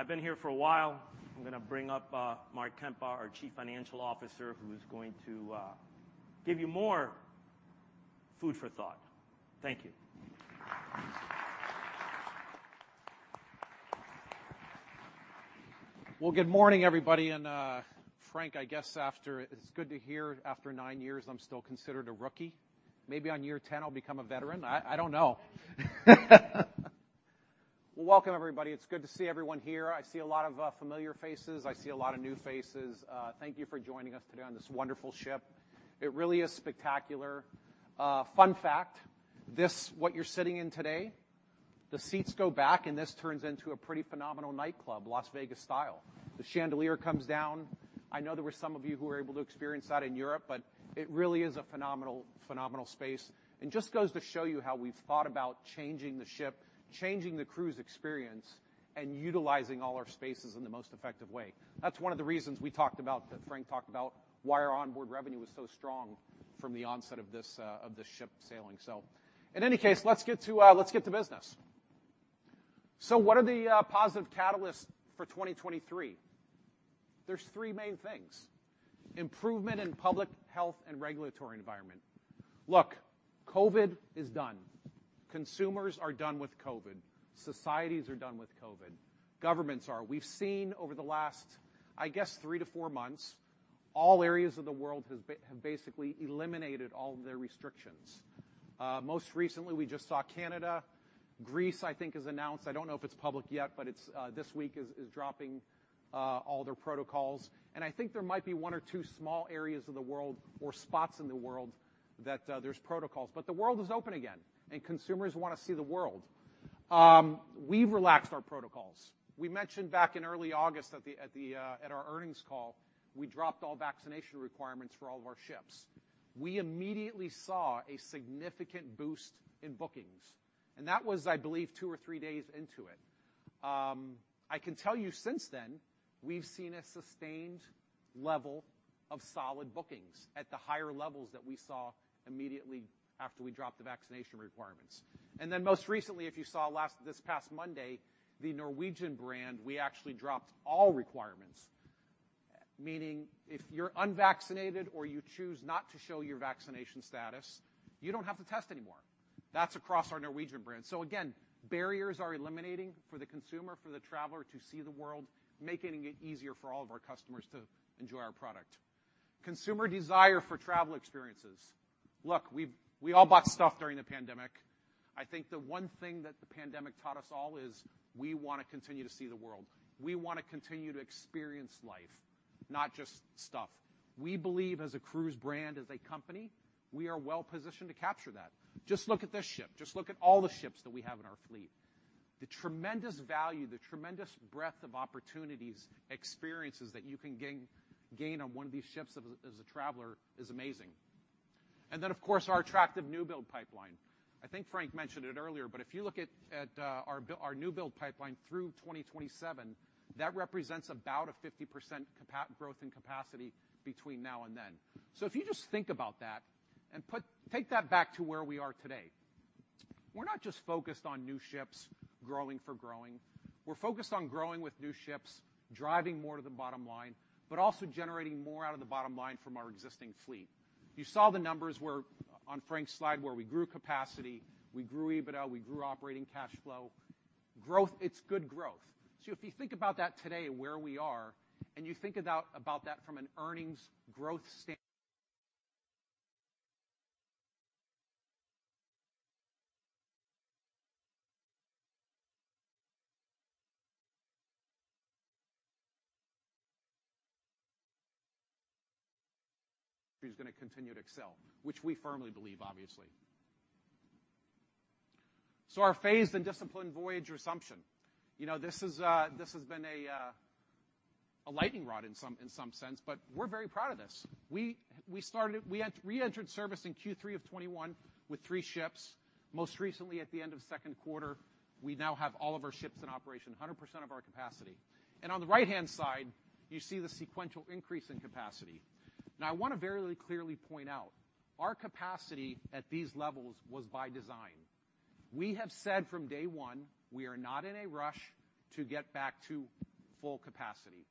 I've been here for a while. I'm gonna bring up Mark Kempa, our Chief Financial Officer, who is going to give you more food for thought. Thank you. Well, good morning, everybody. Frank, I guess after nine years, it's good to hear I'm still considered a rookie. Maybe on year ten, I'll become a veteran. I don't know. Well, welcome, everybody. It's good to see everyone here. I see a lot of familiar faces. I see a lot of new faces. Thank you for joining us today on this wonderful ship. It really is spectacular. Fun fact. This, what you're sitting in today, the seats go back, and this turns into a pretty phenomenal nightclub, Las Vegas style. The chandelier comes down. I know there were some of you who were able to experience that in Europe, but it really is a phenomenal space. It just goes to show you how we've thought about changing the ship, changing the cruise experience, and utilizing all our spaces in the most effective way. That's one of the reasons we talked about that Frank talked about why our onboard revenue was so strong from the onset of this of this ship sailing. In any case, let's get to, let's get to business. What are the positive catalysts for 2023? There's three main things. Improvement in public health and regulatory environment. Look, COVID is done. Consumers are done with COVID. Societies are done with COVID. Governments are. We've seen over the last, I guess 3-4 months, all areas of the world have basically eliminated all of their restrictions. Most recently, we just saw Canada. Greece, I think, has announced, I don't know if it's public yet, but it's this week is dropping all their protocols. I think there might be one or two small areas of the world or spots in the world that there's protocols. The world is open again, and consumers wanna see the world. We've relaxed our protocols. We mentioned back in early August at our earnings call, we dropped all vaccination requirements for all of our ships. We immediately saw a significant boost in bookings, and that was, I believe, two or three days into it. I can tell you since then, we've seen a sustained level of solid bookings at the higher levels that we saw immediately after we dropped the vaccination requirements. Most recently, if you saw this past Monday, the Norwegian brand, we actually dropped all requirements, meaning if you're unvaccinated or you choose not to show your vaccination status, you don't have to test anymore. That's across our Norwegian brand. Again, barriers are eliminating for the consumer, for the traveler to see the world, making it easier for all of our customers to enjoy our product. Consumer desire for travel experiences. Look, we all bought stuff during the pandemic. I think the one thing that the pandemic taught us all is we wanna continue to see the world. We wanna continue to experience life, not just stuff. We believe as a cruise brand, as a company, we are well-positioned to capture that. Just look at this ship. Just look at all the ships that we have in our fleet. The tremendous value, the tremendous breadth of opportunities, experiences that you can gain on one of these ships as a traveler is amazing. Of course, our attractive new build pipeline. I think Frank mentioned it earlier, but if you look at our new build pipeline through 2027, that represents about a 50% capacity growth between now and then. If you just think about that and take that back to where we are today. We're not just focused on new ships growing for growing. We're focused on growing with new ships, driving more to the bottom line, but also generating more out of the bottom line from our existing fleet. You saw the numbers on Frank's slide where we grew capacity, we grew EBITDA, we grew operating cash flow. Growth, it's good growth. If you think about that today, where we are, and you think about that from an earnings growth standpoint. She's gonna continue to excel, which we firmly believe, obviously. Our phased and disciplined voyage resumption. This has been a lightning rod in some sense, but we're very proud of this. We reentered service in Q3 of 2021 with 3 ships. Most recently, at the end of second quarter, we now have all of our ships in operation, 100% of our capacity. On the right-hand side, you see the sequential increase in capacity. Now, I wanna very clearly point out, our capacity at these levels was by design. We have said from day one, we are not in a rush to get back to full capacity.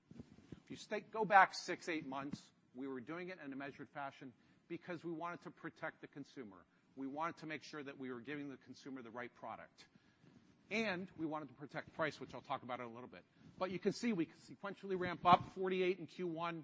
If you go back six, eight months, we were doing it in a measured fashion because we wanted to protect the consumer. We wanted to make sure that we were giving the consumer the right product. We wanted to protect price, which I'll talk about in a little bit. You can see we sequentially ramp up 48 in Q1,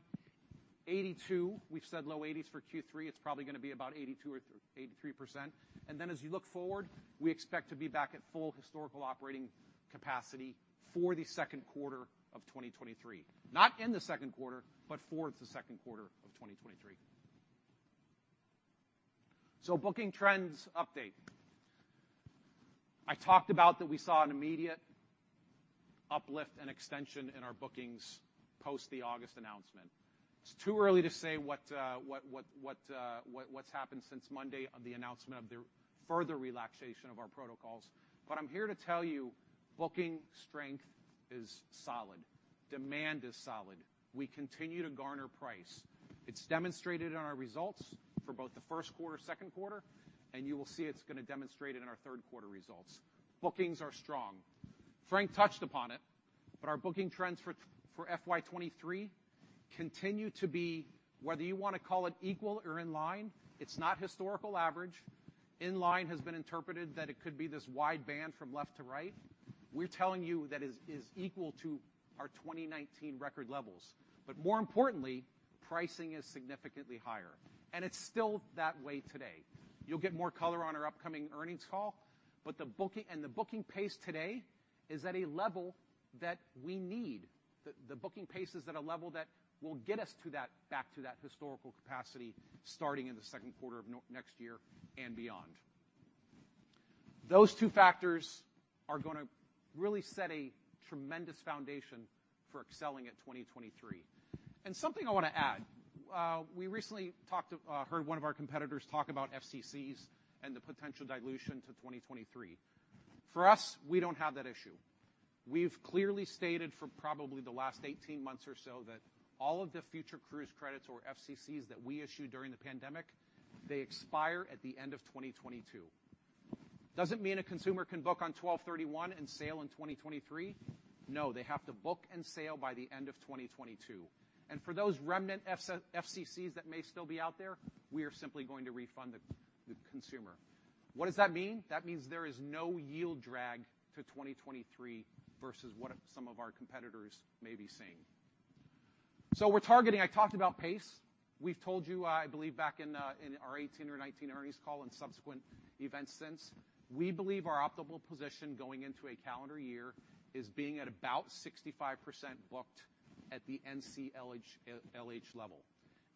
82. We've said low 80s for Q3. It's probably gonna be about 82% or 83%. Then as you look forward, we expect to be back at full historical operating capacity for the second quarter of 2023. Not in the second quarter, but for the second quarter of 2023. Booking trends update. I talked about that we saw an immediate uplift and extension in our bookings post the August announcement. It's too early to say what's happened since Monday on the announcement of the further relaxation of our protocols, but I'm here to tell you, booking strength is solid. Demand is solid. We continue to garner price. It's demonstrated in our results for both the first quarter, second quarter, and you will see it's gonna demonstrate it in our third quarter results. Bookings are strong. Frank touched upon it, but our booking trends for FY 2023 continue to be, whether you wanna call it equal or in line, it's not historical average. In line has been interpreted that it could be this wide band from left to right. We're telling you that is equal to our 2019 record levels. But more importantly, pricing is significantly higher, and it's still that way today. You'll get more color on our upcoming earnings call. The booking pace today is at a level that we need. The booking pace is at a level that will get us back to that historical capacity starting in the second quarter of next year and beyond. Those two factors are gonna really set a tremendous foundation for excelling at 2023. Something I wanna add, we recently heard one of our competitors talk about FCCs and the potential dilution to 2023. For us, we don't have that issue. We've clearly stated for probably the last 18 months or so that all of the future cruise credits or FCCs that we issued during the pandemic, they expire at the end of 2022. Doesn't mean a consumer can book on 12/31 and sail in 2023. No, they have to book and sail by the end of 2022. For those remnant FCCs that may still be out there, we are simply going to refund the consumer. What does that mean? That means there is no yield drag to 2023 versus what some of our competitors may be seeing. We're targeting. I talked about pace. We've told you, I believe back in our 2018 or 2019 earnings call and subsequent events since, we believe our optimal position going into a calendar year is being at about 65% booked at the NCLH level.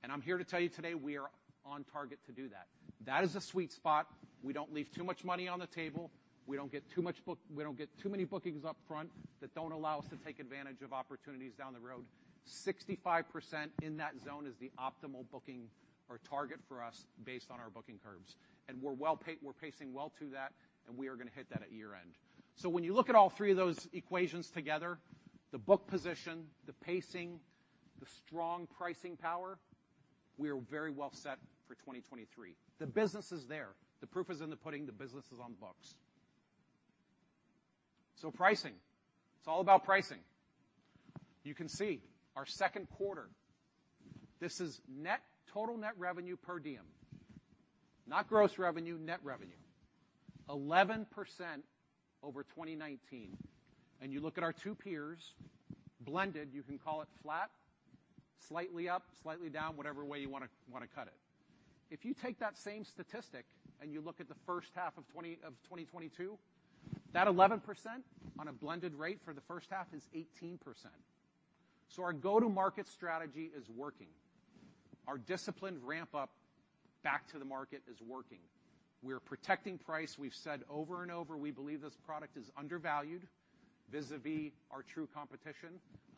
I'm here to tell you today we are on target to do that. That is a sweet spot. We don't leave too much money on the table. We don't get too many bookings up front that don't allow us to take advantage of opportunities down the road. 65% in that zone is the optimal booking or target for us based on our booking curves, and we're pacing well to that, and we are gonna hit that at year-end. When you look at all three of those equations together, the book position, the pacing, the strong pricing power, we are very well set for 2023. The business is there. The proof is in the pudding. The business is on the books. Pricing, it's all about pricing. You can see our second quarter, this is total net revenue per diem. Not gross revenue, net revenue. 11% over 2019. You look at our two peers, blended, you can call it flat, slightly up, slightly down, whatever way you wanna cut it. If you take that same statistic and you look at the first half of 2022, that 11% on a blended rate for the first half is 18%. Our go-to-market strategy is working. Our disciplined ramp-up back to the market is working. We're protecting price. We've said over and over, we believe this product is undervalued vis-a-vis our true competition,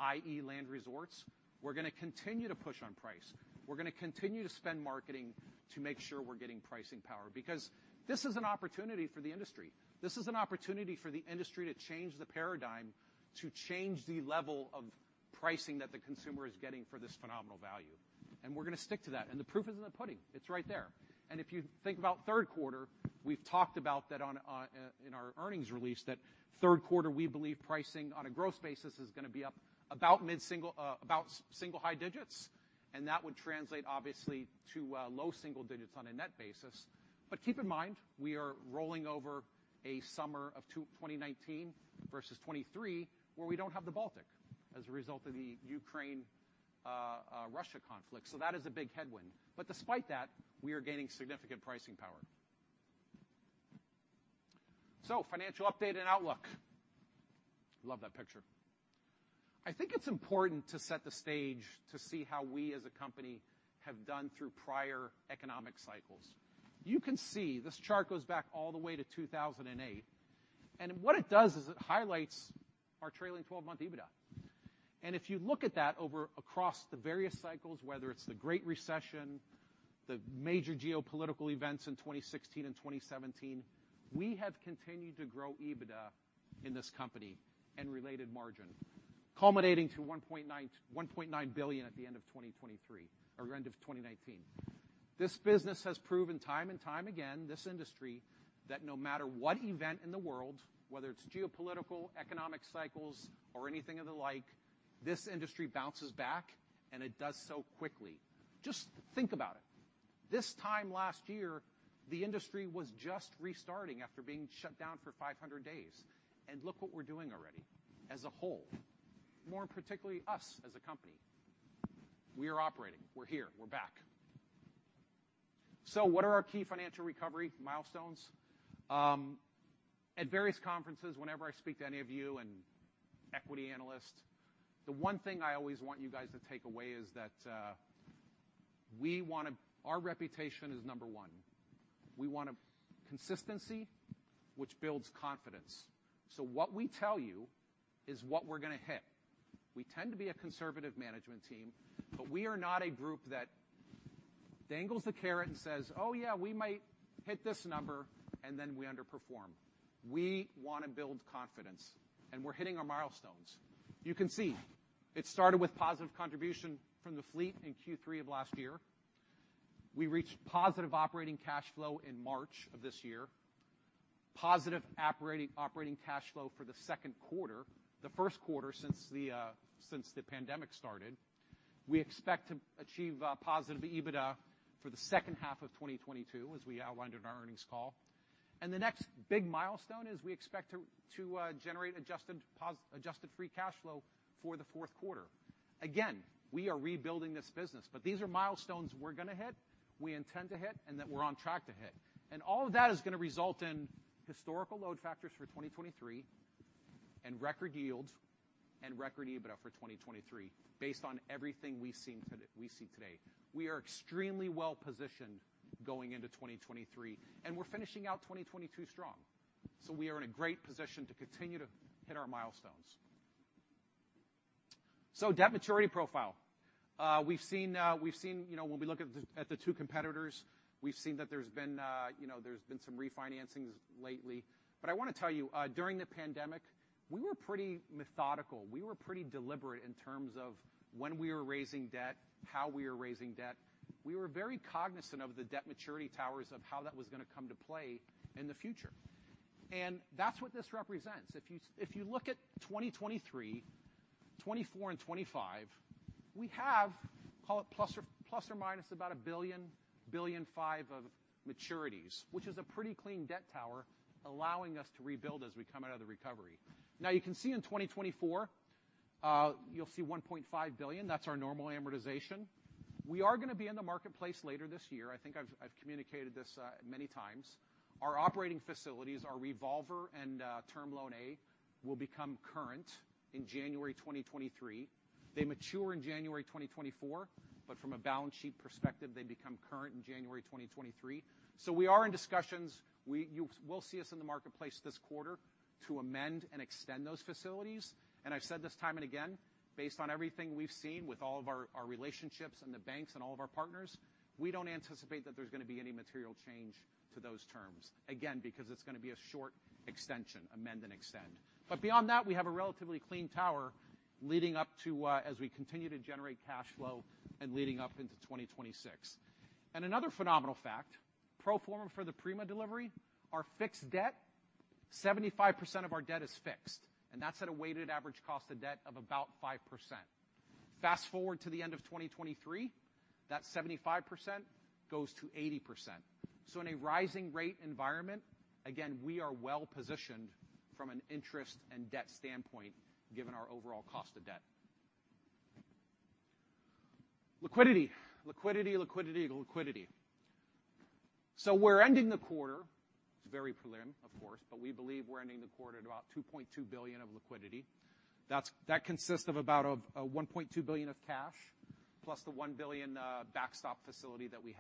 i.e., land resorts. We're gonna continue to push on price. We're gonna continue to spend marketing to make sure we're getting pricing power because this is an opportunity for the industry. This is an opportunity for the industry to change the paradigm, to change the level of pricing that the consumer is getting for this phenomenal value, and we're gonna stick to that. The proof is in the pudding. It's right there. If you think about third quarter, we've talked about that in our earnings release, that third quarter, we believe pricing on a gross basis is gonna be up about mid-single to single high digits, and that would translate obviously to low single digits on a net basis. Keep in mind, we are rolling over a summer of 2019 versus 2023, where we don't have the Baltic as a result of the Ukraine-Russia conflict. That is a big headwind. Despite that, we are gaining significant pricing power. Financial update and outlook. Love that picture. I think it's important to set the stage to see how we as a company have done through prior economic cycles. You can see this chart goes back all the way to 2008, and what it does is it highlights our trailing twelve-month EBITDA. If you look at that across the various cycles, whether it's the Great Recession, the major geopolitical events in 2016 and 2017, we have continued to grow EBITDA in this company and related margin, culminating to $1.9 billion at the end of 2023 or end of 2019. This business has proven time and time again, this industry, that no matter what event in the world, whether it's geopolitical, economic cycles or anything of the like, this industry bounces back, and it does so quickly. Just think about it. This time last year, the industry was just restarting after being shut down for 500 days, and look what we're doing already as a whole. More particularly us as a company. We are operating. We're here. We're back. What are our key financial recovery milestones? At various conferences, whenever I speak to any of you and equity analysts, the one thing I always want you guys to take away is that our reputation is number one. We want a consistency which builds confidence. What we tell you is what we're gonna hit. We tend to be a conservative management team, but we are not a group that dangles the carrot and says, "Oh yeah, we might hit this number," and then we underperform. We wanna build confidence, and we're hitting our milestones. You can see it started with positive contribution from the fleet in Q3 of last year. We reached positive operating cash flow in March of this year. Positive operating cash flow for the second quarter, the first quarter since the pandemic started. We expect to achieve positive EBITDA for the second half of 2022, as we outlined in our earnings call. The next big milestone is we expect to generate adjusted free cash flow for the fourth quarter. Again, we are rebuilding this business, but these are milestones we're gonna hit, we intend to hit, and that we're on track to hit. All of that is gonna result in historical load factors for 2023. Record yields and record EBITDA for 2023 based on everything we see today. We are extremely well-positioned going into 2023, and we're finishing out 2022 strong. We are in a great position to continue to hit our milestones. Debt maturity profile. We've seen, you know, when we look at the two competitors, that there's been some refinancings lately. But I wanna tell you, during the pandemic, we were pretty methodical. We were pretty deliberate in terms of when we were raising debt, how we were raising debt. We were very cognizant of the debt maturity towers of how that was gonna come to play in the future. That's what this represents. If you look at 2023, 2024, and 2025, we have, call it plus or minus about $1 billion-$1.5 billion of maturities, which is a pretty clean debt tower, allowing us to rebuild as we come out of the recovery. Now, you can see in 2024, you'll see $1.5 billion. That's our normal amortization. We are gonna be in the marketplace later this year. I think I've communicated this many times. Our operating facilities, our revolver, and term loan A will become current in January 2023. They mature in January 2024, but from a balance sheet perspective, they become current in January 2023. We are in discussions. You will see us in the marketplace this quarter to amend and extend those facilities. I've said this time and again, based on everything we've seen with all of our relationships and the banks and all of our partners, we don't anticipate that there's gonna be any material change to those terms. Again, because it's gonna be a short extension, amend and extend. Beyond that, we have a relatively clean tower leading up to, as we continue to generate cash flow and leading up into 2026. Another phenomenal fact, pro forma for the Prima delivery, our fixed debt, 75% of our debt is fixed, and that's at a weighted average cost of debt of about 5%. Fast-forward to the end of 2023, that 75% goes to 80%. In a rising rate environment, again, we are well-positioned from an interest and debt standpoint, given our overall cost of debt. Liquidity. Liquidity, liquidity. We're ending the quarter, it's very prelim, of course, but we believe we're ending the quarter at about $2.2 billion of liquidity. That consists of about $1.2 billion of cash, plus the $1 billion backstop facility that we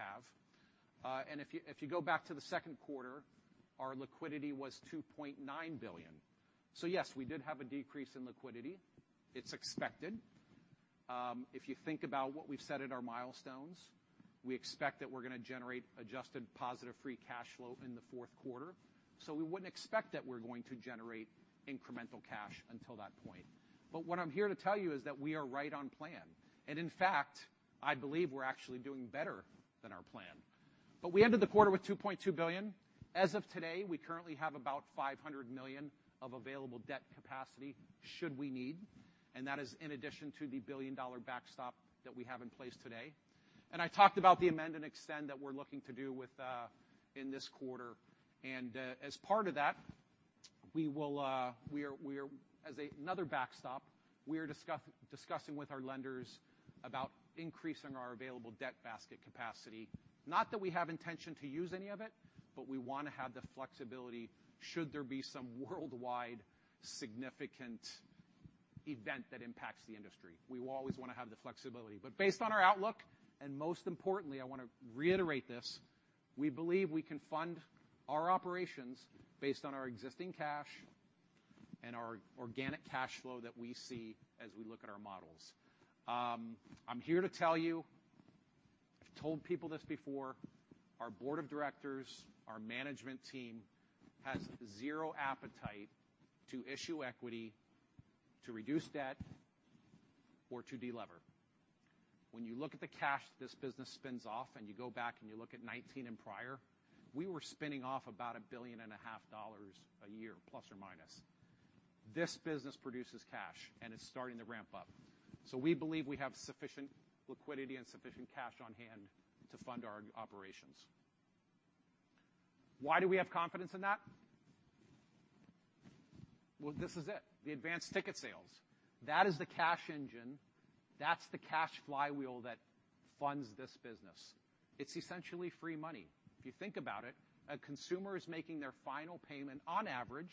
have. If you go back to the second quarter, our liquidity was $2.9 billion. Yes, we did have a decrease in liquidity. It's expected. If you think about what we've said at our milestones, we expect that we're gonna generate adjusted positive free cash flow in the fourth quarter. We wouldn't expect that we're going to generate incremental cash until that point. What I'm here to tell you is that we are right on plan. In fact, I believe we're actually doing better than our plan. We ended the quarter with $2.2 billion. As of today, we currently have about $500 million of available debt capacity should we need, and that is in addition to the $1 billion backstop that we have in place today. I talked about the amend and extend that we're looking to do within this quarter. As part of that, we are, as another backstop, discussing with our lenders about increasing our available debt basket capacity. Not that we have intention to use any of it, but we wanna have the flexibility should there be some worldwide significant event that impacts the industry. We will always wanna have the flexibility. Based on our outlook, and most importantly, I wanna reiterate this, we believe we can fund our operations based on our existing cash and our organic cash flow that we see as we look at our models. I'm here to tell you, I've told people this before, our board of directors, our management team has zero appetite to issue equity, to reduce debt, or to delever. When you look at the cash this business spins off and you go back and you look at 2019 and prior, we were spinning off about $1.5 billion a year, plus or minus. This business produces cash, and it's starting to ramp up. We believe we have sufficient liquidity and sufficient cash on hand to fund our operations. Why do we have confidence in that? Well, this is it. The advanced ticket sales. That is the cash engine. That's the cash flywheel that funds this business. It's essentially free money. If you think about it, a consumer is making their final payment on average,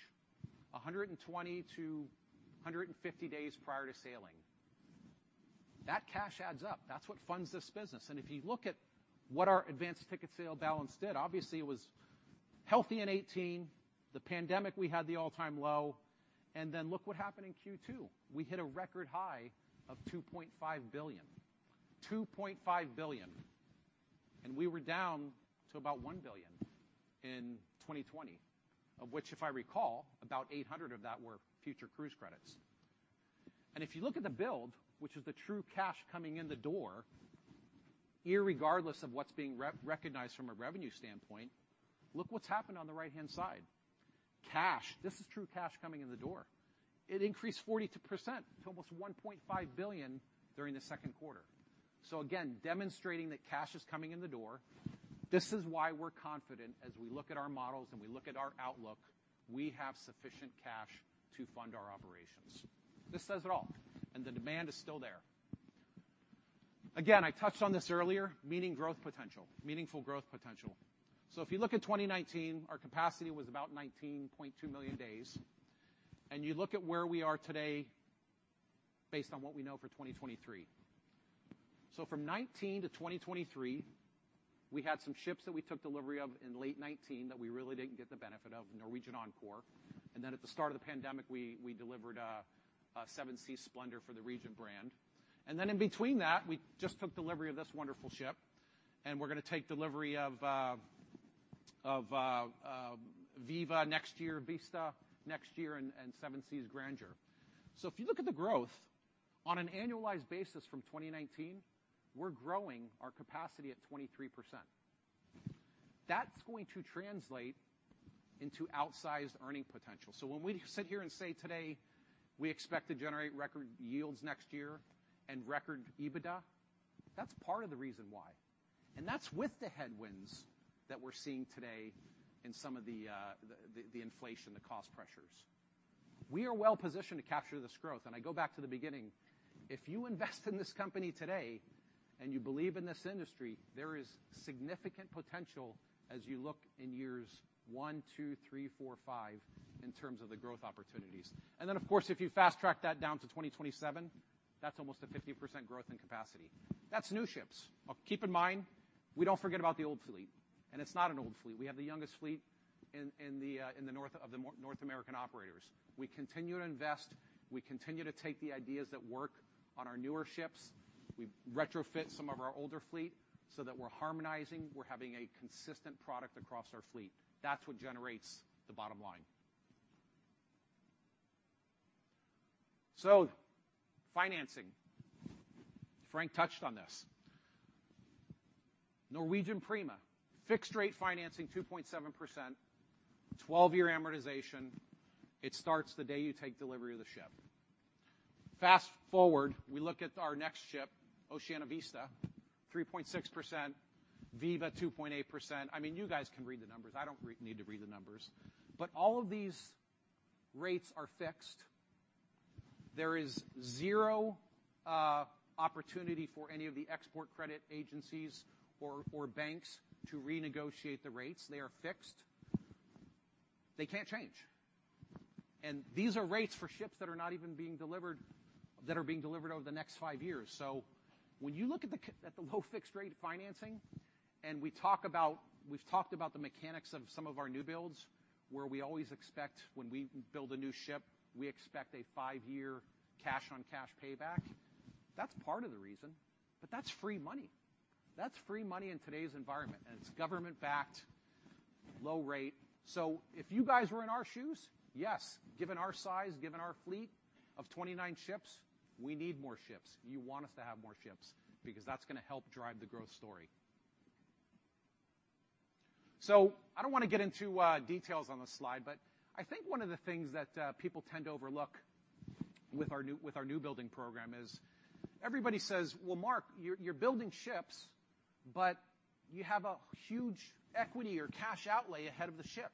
120-150 days prior to sailing. That cash adds up. That's what funds this business. If you look at what our advance ticket sales balance did, obviously it was healthy in 2018. The pandemic, we had the all-time low, and then look what happened in Q2. We hit a record high of $2.5 billion. $2.5 billion. We were down to about $1 billion in 2020, of which, if I recall, about $800 million of that were future cruise credits. If you look at the book, which is the true cash coming in the door, irregardless of what's being re-recognized from a revenue standpoint, look what's happened on the right-hand side. Cash. This is true cash coming in the door. It increased 42% to almost $1.5 billion during the second quarter. Again, demonstrating that cash is coming in the door, this is why we're confident as we look at our models and we look at our outlook, we have sufficient cash to fund our operations. This says it all, and the demand is still there. Again, I touched on this earlier, meaning growth potential, meaningful growth potential. If you look at 2019, our capacity was about 19.2 million days, and you look at where we are today based on what we know for 2023. From 2019 to 2023, we had some ships that we took delivery of in late 2019 that we really didn't get the benefit of, Norwegian Encore. Then at the start of the pandemic, we delivered Seven Seas Splendor for the Regent brand. Then in between that, we just took delivery of this wonderful ship, and we're going to take delivery of Viva next year, Vista next year, and Seven Seas Grandeur. If you look at the growth on an annualized basis from 2019, we're growing our capacity at 23%. That's going to translate into outsized earning potential. When we sit here and say today we expect to generate record yields next year and record EBITDA, that's part of the reason why. That's with the headwinds that we're seeing today in some of the inflation, the cost pressures. We are well-positioned to capture this growth. I go back to the beginning. If you invest in this company today and you believe in this industry, there is significant potential as you look in years 1, 2, 3, 4, 5 in terms of the growth opportunities. Then of course, if you fast-track that down to 2027, that's almost a 50% growth in capacity. That's new ships. Keep in mind, we don't forget about the old fleet, and it's not an old fleet. We have the youngest fleet in the North American operators. We continue to invest. We continue to take the ideas that work on our newer ships. We retrofit some of our older fleet so that we're harmonizing. We're having a consistent product across our fleet. That's what generates the bottom line. Financing. Frank touched on this. Norwegian Prima, fixed-rate financing, 2.7%, 12-year amortization. It starts the day you take delivery of the ship. Fast-forward, we look at our next ship, Oceania Vista, 3.6%, Viva, 2.8%. I mean, you guys can read the numbers. I don't need to read the numbers. But all of these rates are fixed. There is zero opportunity for any of the export credit agencies or banks to renegotiate the rates. They are fixed. They can't change. These are rates for ships that are not even being delivered that are being delivered over the next 5 years. When you look at the low fixed-rate financing, we've talked about the mechanics of some of our new builds, where we always expect when we build a new ship, we expect a five-year cash-on-cash payback. That's part of the reason. That's free money. That's free money in today's environment, and it's government-backed, low rate. If you guys were in our shoes, yes, given our size, given our fleet of 29 ships, we need more ships. You want us to have more ships because that's going to help drive the growth story. I don't want to get into details on this slide, but I think one of the things that people tend to overlook with our new building program is everybody says, "Well, Mark, you're building ships, but you have a huge equity or cash outlay ahead of the ship."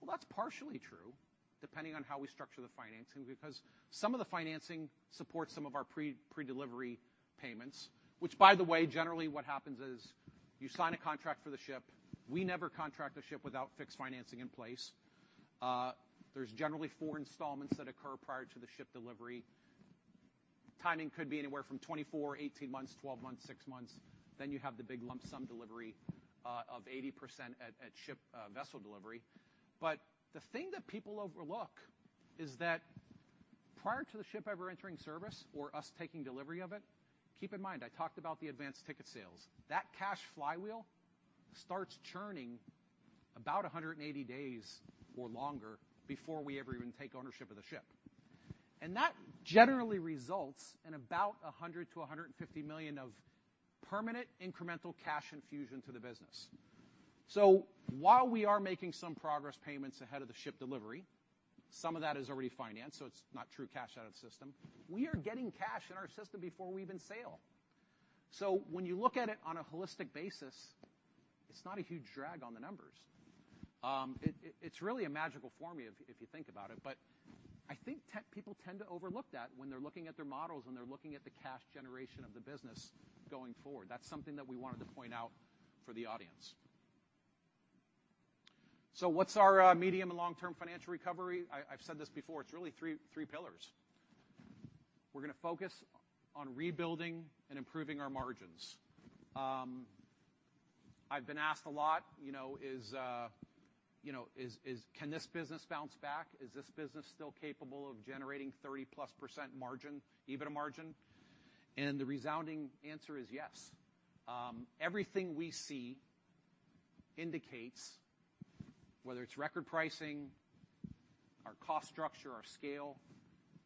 Well, that's partially true, depending on how we structure the financing, because some of the financing supports some of our pre-delivery payments, which by the way, generally what happens is you sign a contract for the ship. We never contract a ship without fixed financing in place. There's generally 4 installments that occur prior to the ship delivery. Timing could be anywhere from 24, 18 months, 12 months, 6 months. Then you have the big lump sum delivery of 80% at ship vessel delivery. The thing that people overlook is that prior to the ship ever entering service or us taking delivery of it, keep in mind, I talked about the advanced ticket sales. That cash flywheel starts churning about 180 days or longer before we ever even take ownership of the ship. That generally results in about $100 million-$150 million of permanent incremental cash infusion to the business. While we are making some progress payments ahead of the ship delivery, some of that is already financed, so it's not true cash out of the system. We are getting cash in our system before we even sail. When you look at it on a holistic basis, it's not a huge drag on the numbers. It's really a magical formula if you think about it, but I think people tend to overlook that when they're looking at their models and they're looking at the cash generation of the business going forward. That's something that we wanted to point out for the audience. What's our medium and long-term financial recovery? I've said this before. It's really three pillars. We're going to focus on rebuilding and improving our margins. I've been asked a lot, you know, can this business bounce back? Is this business still capable of generating 30%+ margin, EBITDA margin? The resounding answer is yes. Everything we see indicates whether it's record pricing, our cost structure, our scale,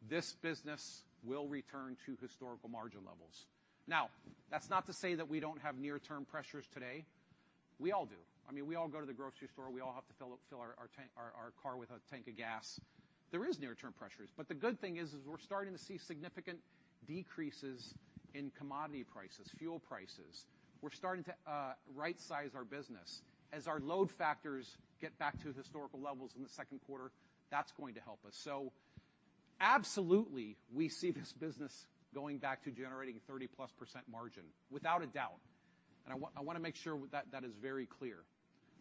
this business will return to historical margin levels. That's not to say that we don't have near-term pressures today. We all do. I mean, we all go to the grocery store. We all have to fill our car with a tank of gas. There is near-term pressures, but the good thing is we're starting to see significant decreases in commodity prices, fuel prices. We're starting to right-size our business. As our load factors get back to historical levels in the second quarter, that's going to help us. Absolutely, we see this business going back to generating 30%+ margin without a doubt. I wanna make sure that is very clear.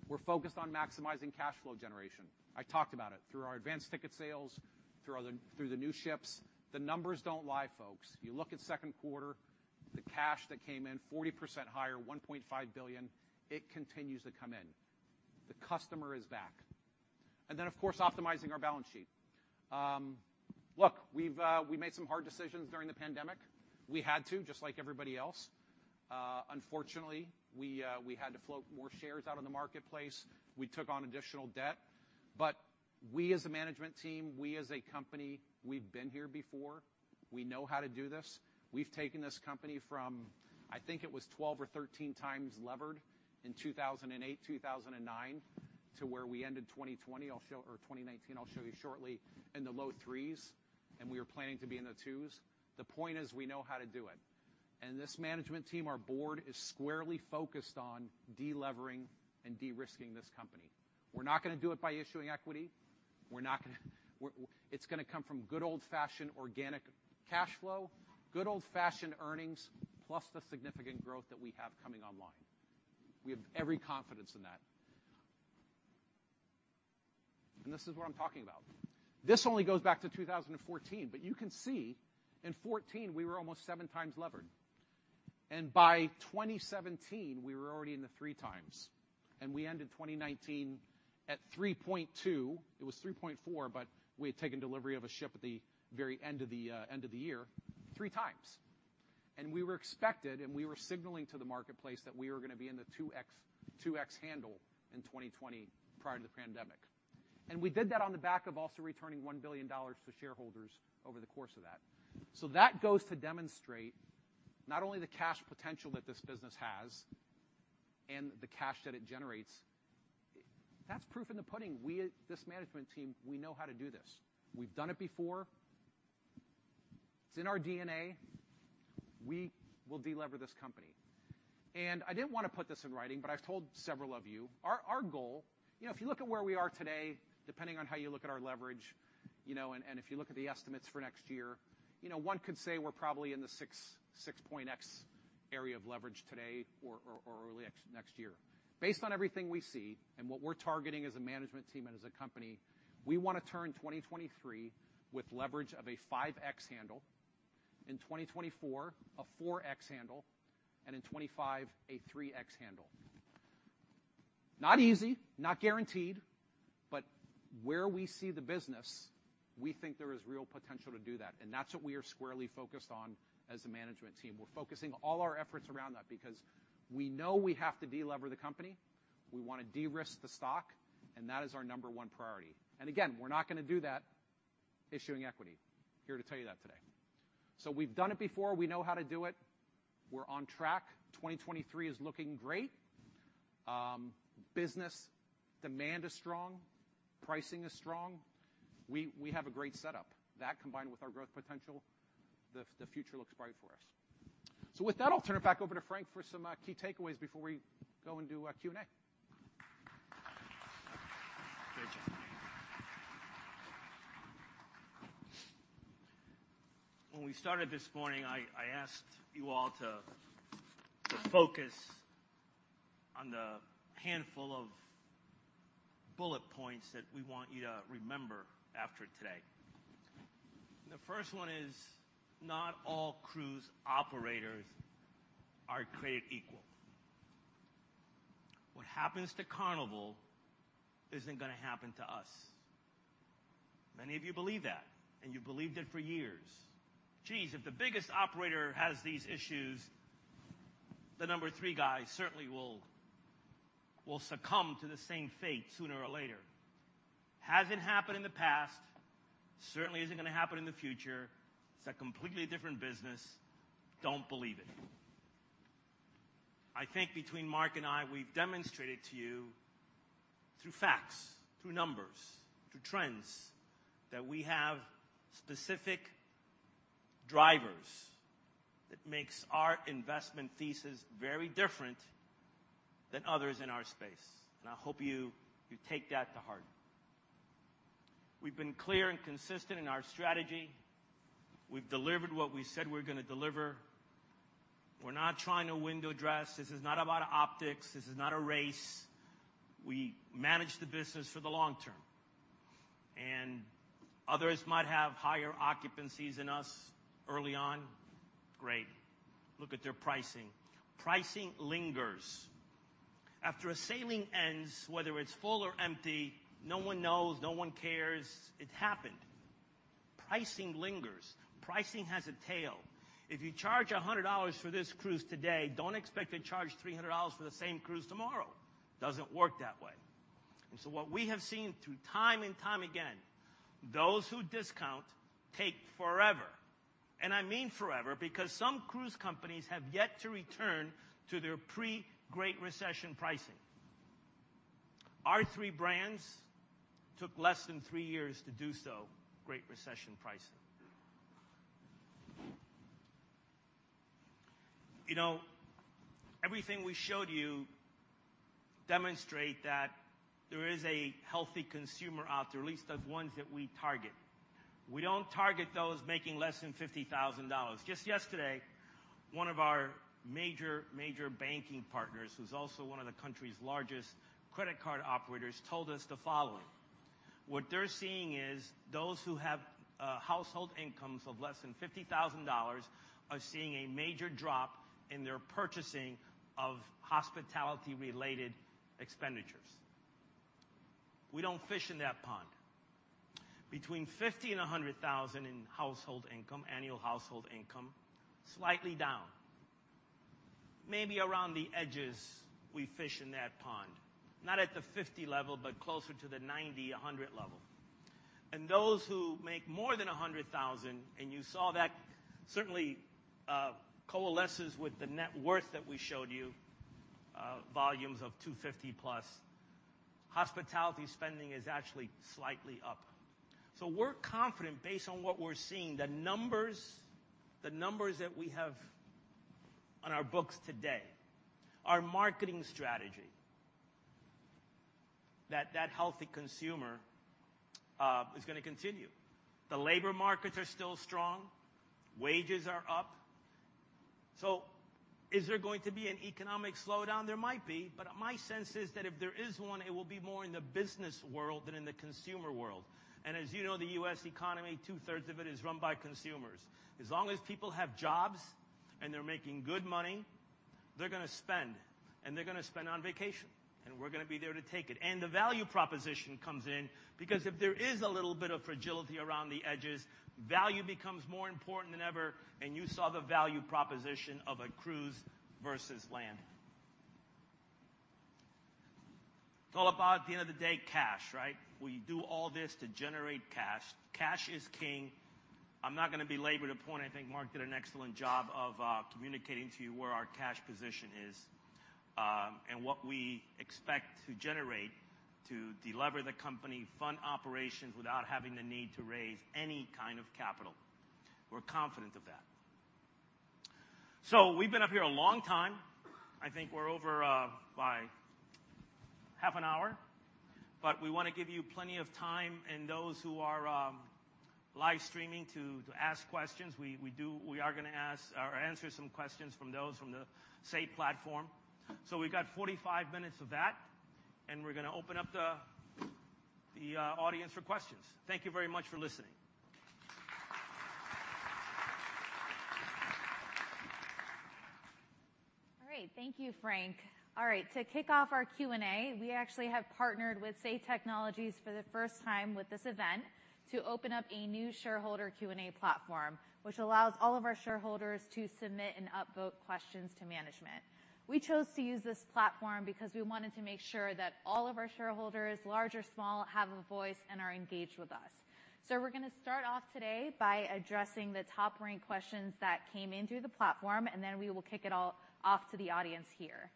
We're focused on maximizing cash flow generation. I talked about it through our advanced ticket sales, through the new ships. The numbers don't lie, folks. You look at second quarter, the cash that came in 40% higher, $1.5 billion, it continues to come in. The customer is back. Then of course, optimizing our balance sheet. Look, we've made some hard decisions during the pandemic. We had to, just like everybody else. Unfortunately, we had to float more shares out in the marketplace. We took on additional debt. We as a management team, we as a company, we've been here before. We know how to do this. We've taken this company from, I think it was 12x or 13x levered in 2008, 2009, to where we ended 2020 or 2019, I'll show you shortly, in the low threes, and we are planning to be in the twos. The point is, we know how to do it. This management team, our board is squarely focused on de-levering and de-risking this company. We're not gonna do it by issuing equity. It's gonna come from good old-fashioned organic cash flow, good old-fashioned earnings, plus the significant growth that we have coming online. We have every confidence in that. This is what I'm talking about. This only goes back to 2014, but you can see in 2014, we were almost 7x levered. By 2017, we were already in the 3x. We ended 2019 at 3.2. It was 3.4, but we had taken delivery of a ship at the very end of the end of the year, 3x. We were expected, and we were signaling to the marketplace that we were gonna be in the 2x handle in 2020 prior to the pandemic. We did that on the back of also returning $1 billion to shareholders over the course of that. That goes to demonstrate not only the cash potential that this business has and the cash that it generates. That's proof in the pudding. We, as this management team, we know how to do this. We've done it before. It's in our DNA. We will de-lever this company. I didn't wanna put this in writing, but I've told several of you, our goal. You know, if you look at where we are today, depending on how you look at our leverage, you know, and if you look at the estimates for next year, you know, one could say we're probably in the 6x area of leverage today or early next year. Based on everything we see and what we're targeting as a management team and as a company, we wanna turn 2023 with leverage of a 5x handle, in 2024, a 4x handle, and in 2025, a 3x handle. Not easy, not guaranteed, but where we see the business, we think there is real potential to do that, and that's what we are squarely focused on as a management team. We're focusing all our efforts around that because we know we have to de-lever the company. We wanna de-risk the stock, and that is our number one priority. Again, we're not gonna do that issuing equity. Here to tell you that today. We've done it before. We know how to do it. We're on track. 2023 is looking great. Business demand is strong, pricing is strong. We have a great setup. That combined with our growth potential, the future looks bright for us. With that, I'll turn it back over to Frank for some key takeaways before we go and do a Q&A. Great job. When we started this morning, I asked you all to focus on the handful of bullet points that we want you to remember after today. The first one is, not all cruise operators are created equal. What happens to Carnival isn't gonna happen to us. Many of you believe that, and you believed it for years. Geez, if the biggest operator has these issues, the number three guy certainly will succumb to the same fate sooner or later. Hasn't happened in the past, certainly isn't gonna happen in the future. It's a completely different business. Don't believe it. I think between Mark and I, we've demonstrated to you through facts, through numbers, through trends, that we have specific drivers that makes our investment thesis very different than others in our space. I hope you take that to heart. We've been clear and consistent in our strategy. We've delivered what we said we're gonna deliver. We're not trying to window dress. This is not about optics. This is not a race. We manage the business for the long term. Others might have higher occupancies than us early on. Great. Look at their pricing. Pricing lingers. After a sailing ends, whether it's full or empty, no one knows, no one cares. It happened. Pricing lingers. Pricing has a tail. If you charge $100 for this cruise today, don't expect to charge $300 for the same cruise tomorrow. Doesn't work that way. What we have seen time and time again, those who discount take forever. I mean forever because some cruise companies have yet to return to their pre-Great Recession pricing. Our three brands took less than 3 years to do so. Great Recession pricing. You know, everything we showed you demonstrate that there is a healthy consumer out there, at least the ones that we target. We don't target those making less than $50,000. Just yesterday, one of our major banking partners, who's also one of the country's largest credit card operators, told us the following. What they're seeing is those who have household incomes of less than $50,000 are seeing a major drop in their purchasing of hospitality-related expenditures. We don't fish in that pond. Between $50,000 and $100,000 in household income, annual household income, slightly down. Maybe around the edges we fish in that pond, not at the $50,000 level, but closer to the $90,000, $100,000 level. Those who make more than $100,000, and you saw that certainly, coalesces with the net worth that we showed you, volumes of $250+, hospitality spending is actually slightly up. We're confident based on what we're seeing, the numbers that we have on our books today, our marketing strategy, that healthy consumer is gonna continue. The labor markets are still strong. Wages are up. Is there going to be an economic slowdown? There might be, but my sense is that if there is one, it will be more in the business world than in the consumer world. As you know, the U.S. economy, two-thirds of it is run by consumers. As long as people have jobs and they're making good money, they're gonna spend, and they're gonna spend on vacation, and we're gonna be there to take it. The value proposition comes in because if there is a little bit of fragility around the edges, value becomes more important than ever, and you saw the value proposition of a cruise versus land. It's all about, at the end of the day, cash, right? We do all this to generate cash. Cash is king. I'm not gonna belabor the point. I think Mark did an excellent job of communicating to you where our cash position is, and what we expect to generate to delever the company, fund operations without having the need to raise any kind of capital. We're confident of that. We've been up here a long time. I think we're over by half an hour, but we wanna give you plenty of time, and those who are live streaming to ask questions. We are gonna ask or answer some questions from those from the SAY platform. We've got 45 minutes of that, and we're gonna open up the audience for questions. Thank you very much for listening. All right. Thank you, Frank. All right. To kick off our Q&A, we actually have partnered with Say Technologies for the first time with this event to open up a new shareholder Q&A platform, which allows all of our shareholders to submit and upvote questions to management. We chose to use this platform because we wanted to make sure that all of our shareholders, large or small, have a voice and are engaged with us. We're gonna start off today by addressing the top-ranked questions that came in through the platform, and then we will kick it all off to the audience here.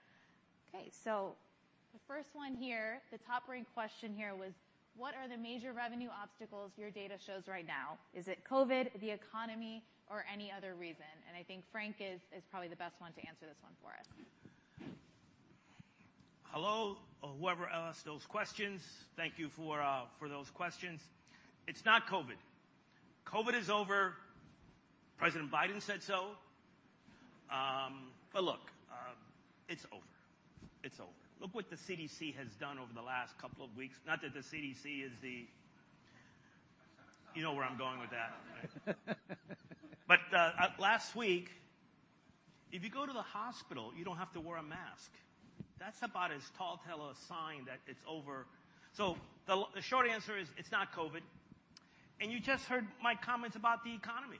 Okay, the first one here, the top-ranked question here was, what are the major revenue obstacles your data shows right now? Is it COVID, the economy, or any other reason? I think Frank is probably the best one to answer this one for us. Hello, whoever asked those questions. Thank you for those questions. It's not COVID. COVID is over. President Biden said so. Look, it's over. Look what the CDC has done over the last couple of weeks. Not that the CDC is the. You know where I'm going with that. Last week, if you go to the hospital, you don't have to wear a mask. That's about as telltale a sign that it's over. The short answer is it's not COVID. You just heard my comments about the economy.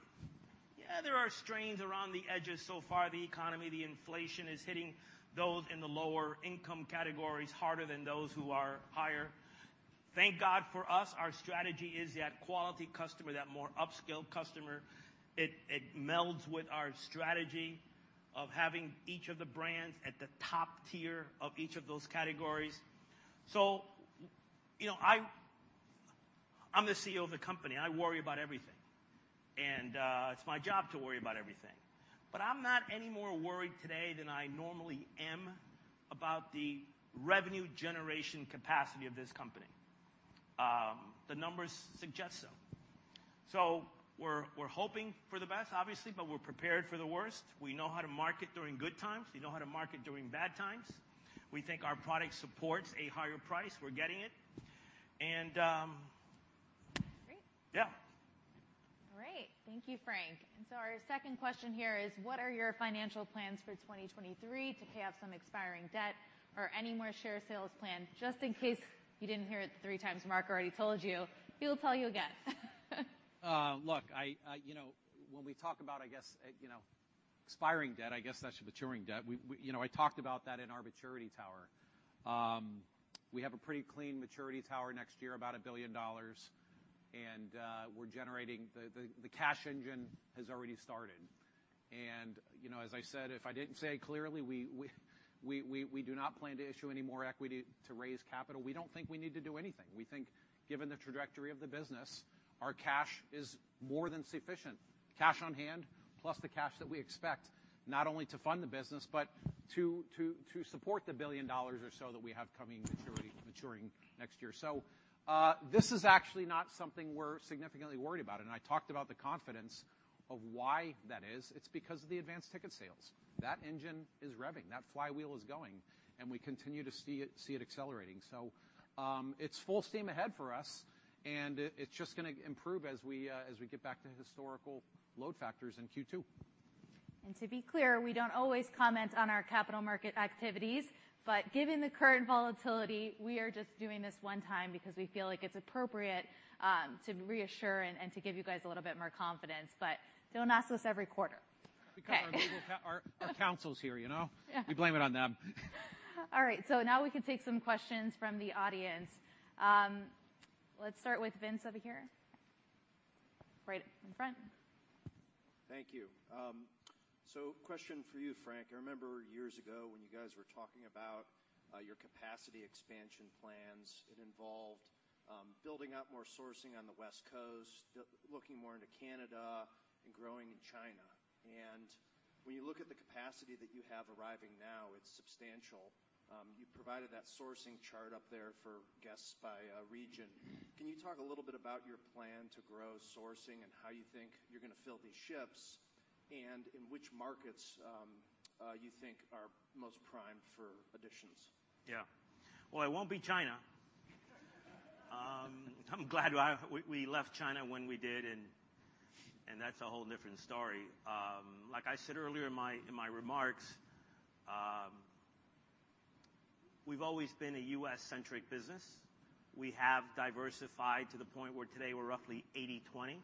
Yeah, there are strains around the edges so far. The economy, the inflation is hitting those in the lower income categories harder than those who are higher. Thank God for us, our strategy is that quality customer, that more upscale customer. It melds with our strategy of having each of the brands at the top tier of each of those categories. You know, I'm the CEO of the company. I worry about everything. It's my job to worry about everything. I'm not any more worried today than I normally am about the revenue generation capacity of this company. The numbers suggest so. We're hoping for the best, obviously, but we're prepared for the worst. We know how to market during good times. We know how to market during bad times. We think our product supports a higher price. We're getting it. Great. Yeah. All right. Thank you, Frank. Our second question here is, what are your financial plans for 2023 to pay off some expiring debt or any more share sales planned? Just in case you didn't hear it 3x, Mark already told you. He'll tell you again. Look, you know, when we talk about, I guess, you know, expiring debt, I guess that's maturing debt. We talked about that in our maturity tower. We have a pretty clean maturity tower next year, about $1 billion, and we're generating. The cash engine has already started. You know, as I said, if I didn't say it clearly, we do not plan to issue any more equity to raise capital. We don't think we need to do anything. We think given the trajectory of the business, our cash is more than sufficient. Cash on hand, plus the cash that we expect, not only to fund the business, but to support the $1 billion or so that we have coming maturity maturing next year. This is actually not something we're significantly worried about. I talked about the confidence of why that is. It's because of the advanced ticket sales. That engine is revving, that flywheel is going, and we continue to see it accelerating. It's full steam ahead for us, and it's just gonna improve as we get back to historical load factors in Q2. To be clear, we don't always comment on our capital market activities. Given the current volatility, we are just doing this one time because we feel like it's appropriate, to reassure and to give you guys a little bit more confidence. Don't ask us every quarter. Okay. Because our counsels here, you know? Yeah. We blame it on them. All right, now we can take some questions from the audience. Let's start with Vince over here. Right in front. Thank you. Question for you, Frank. I remember years ago when you guys were talking about your capacity expansion plans. It involved building out more sourcing on the West Coast, looking more into Canada and growing in China. When you look at the capacity that you have arriving now, it's substantial. You've provided that sourcing chart up there for guests by region. Can you talk a little bit about your plan to grow sourcing and how you think you're gonna fill these ships, and in which markets you think are most primed for additions? Yeah. Well, it won't be China. I'm glad we left China when we did, and that's a whole different story. Like I said earlier in my remarks, we've always been a U.S.-centric business. We have diversified to the point where today we're roughly 80/20.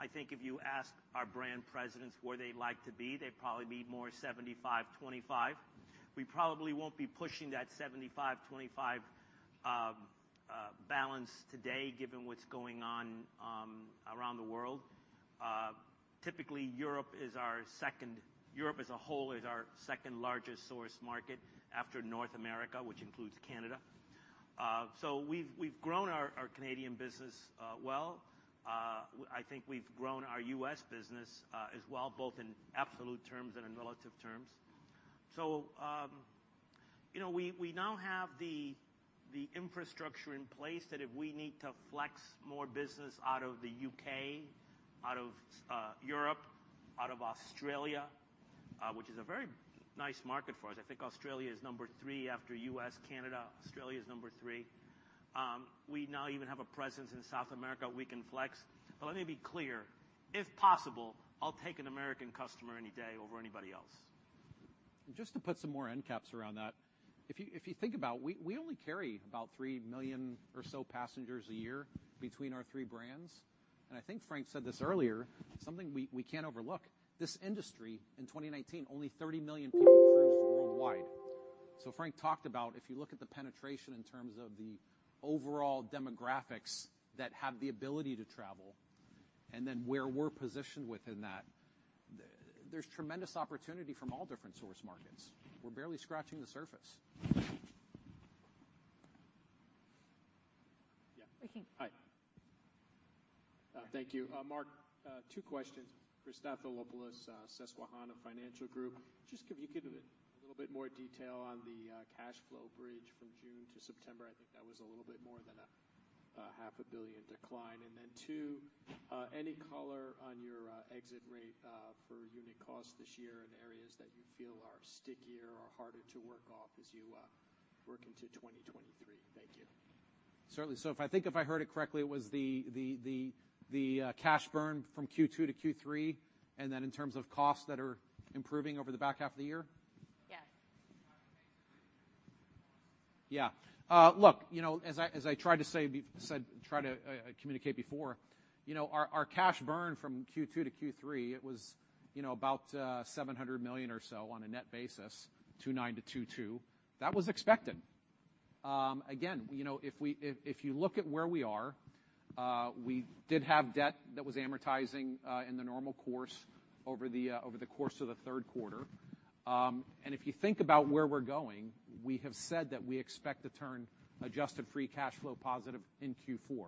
I think if you ask our brand presidents where they'd like to be, they'd probably be more 75/25. We probably won't be pushing that 75/25 balance today given what's going on around the world. Typically, Europe as a whole is our second-largest source market after North America, which includes Canada. So we've grown our Canadian business well. I think we've grown our U.S. business as well, both in absolute terms and in relative terms. You know, we now have the infrastructure in place that if we need to flex more business out of the U.K., out of Europe, out of Australia, which is a very nice market for us. I think Australia is number three after U.S., Canada. Australia is number three. We now even have a presence in South America we can flex. Let me be clear, if possible, I'll take an American customer any day over anybody else. Just to put some more end caps around that. If you think about it, we only carry about 3 million or so passengers a year between our three brands. I think Frank said this earlier, something we can't overlook. This industry in 2019, only 30 million people cruised worldwide. Frank talked about if you look at the penetration in terms of the overall demographics that have the ability to travel and then where we're positioned within that, there's tremendous opportunity from all different source markets. We're barely scratching the surface. Yeah. Hi. Thank you. Mark, two questions. Christopher Stathoulopoulos, Susquehanna Financial Group. Just could you give a little bit more detail on the cash flow bridge from June to September? I think that was a little bit more than a half a billion decline. Two, any color on your exit rate for unit costs this year in areas that you feel are stickier or harder to work off as you work into 2023. Thank you. Certainly. If I think I heard it correctly, it was the cash burn from Q2 to Q3, and then in terms of costs that are improving over the back half of the year? Yes. Yeah. Look, you know, as I tried to communicate before, you know, our cash burn from Q2 to Q3. It was, you know, about $700 million or so on a net basis, 29-22. That was expected. Again, you know, if you look at where we are, we did have debt that was amortizing in the normal course over the course of the third quarter. If you think about where we're going, we have said that we expect to turn adjusted free cash flow positive in Q4.